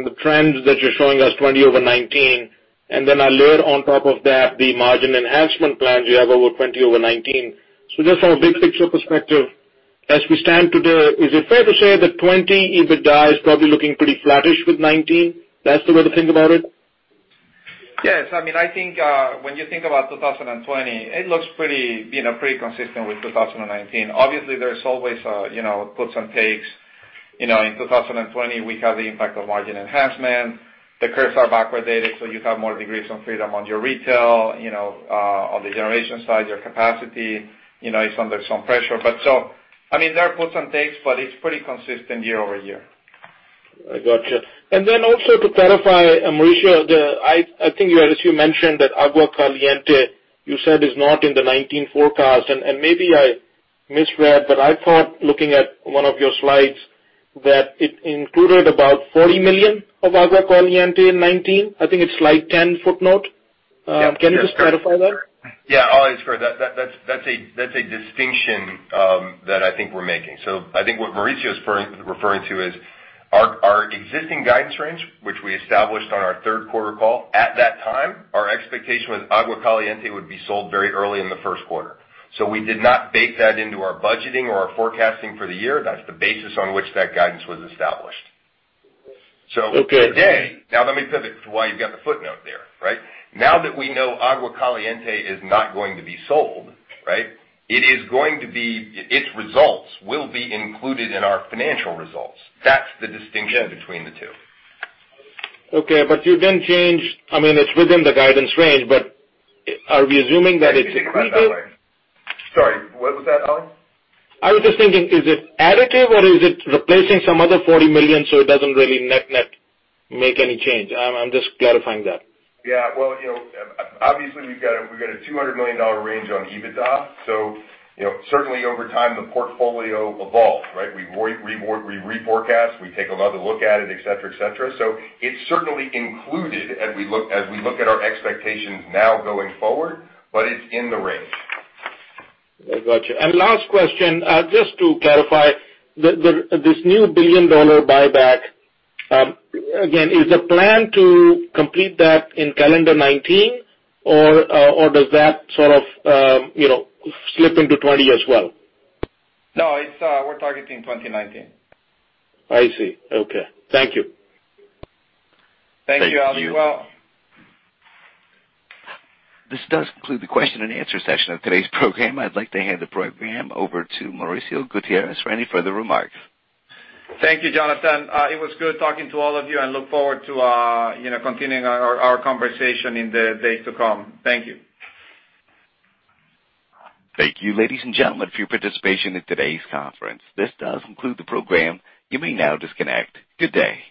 the trends that you're showing us 2020 over 2019, and then I layer on top of that the margin enhancement plans you have over 2020 over 2019. Just from a big picture perspective, as we stand today, is it fair to say that 2020 EBITDA is probably looking pretty flattish with 2019? That's the way to think about it? Yes. I think when you think about 2020, it looks pretty consistent with 2019. Obviously, there's always puts and takes. In 2020, we have the impact of margin enhancement. The curves are backwardated, so you have more degrees of freedom on your retail. On the generation side, your capacity is under some pressure. There are puts and takes, but it's pretty consistent year over year. I gotcha. Also to clarify, Mauricio, I think you had mentioned that Agua Caliente, you said is not in the 2019 forecast. Maybe I misread, but I thought, looking at one of your slides, that it included about $40 million of Agua Caliente in 2019. I think it's slide 10 footnote. Yeah. Can you just clarify that? Yeah. Ali, that's correct. That's a distinction that I think we're making. I think what Mauricio is referring to is our existing guidance range, which we established on our third quarter call. At that time, our expectation was Agua Caliente would be sold very early in the first quarter. We did not bake that into our budgeting or our forecasting for the year. That's the basis on which that guidance was established. Okay. Now let me pivot to why you've got the footnote there, right? Now that we know Agua Caliente is not going to be sold, its results will be included in our financial results. That's the distinction between the two. Okay. You didn't change, it's within the guidance range, but are we assuming that it's accretive? Sorry, what was that, Ali? I was just thinking, is it additive or is it replacing some other $40 million, so it doesn't really net make any change? I'm just clarifying that. Yeah. Well, obviously we've got a $200 million range on EBITDA, so certainly over time, the portfolio evolves, right? We reforecast, we take another look at it, et cetera. It's certainly included as we look at our expectations now going forward, but it's in the range. I gotcha. Last question, just to clarify, this new billion-dollar buyback. Again, is the plan to complete that in calendar 2019, or does that sort of slip into 2020 as well? No. We're targeting 2019. I see. Okay. Thank you. Thank you, Ali. Thank you. This does conclude the question and answer session of today's program. I'd like to hand the program over to Mauricio Gutierrez for any further remarks. Thank you, Jonathan. It was good talking to all of you, and I look forward to continuing our conversation in the days to come. Thank you. Thank you, ladies and gentlemen, for your participation in today's conference. This does conclude the program. You may now disconnect. Good day.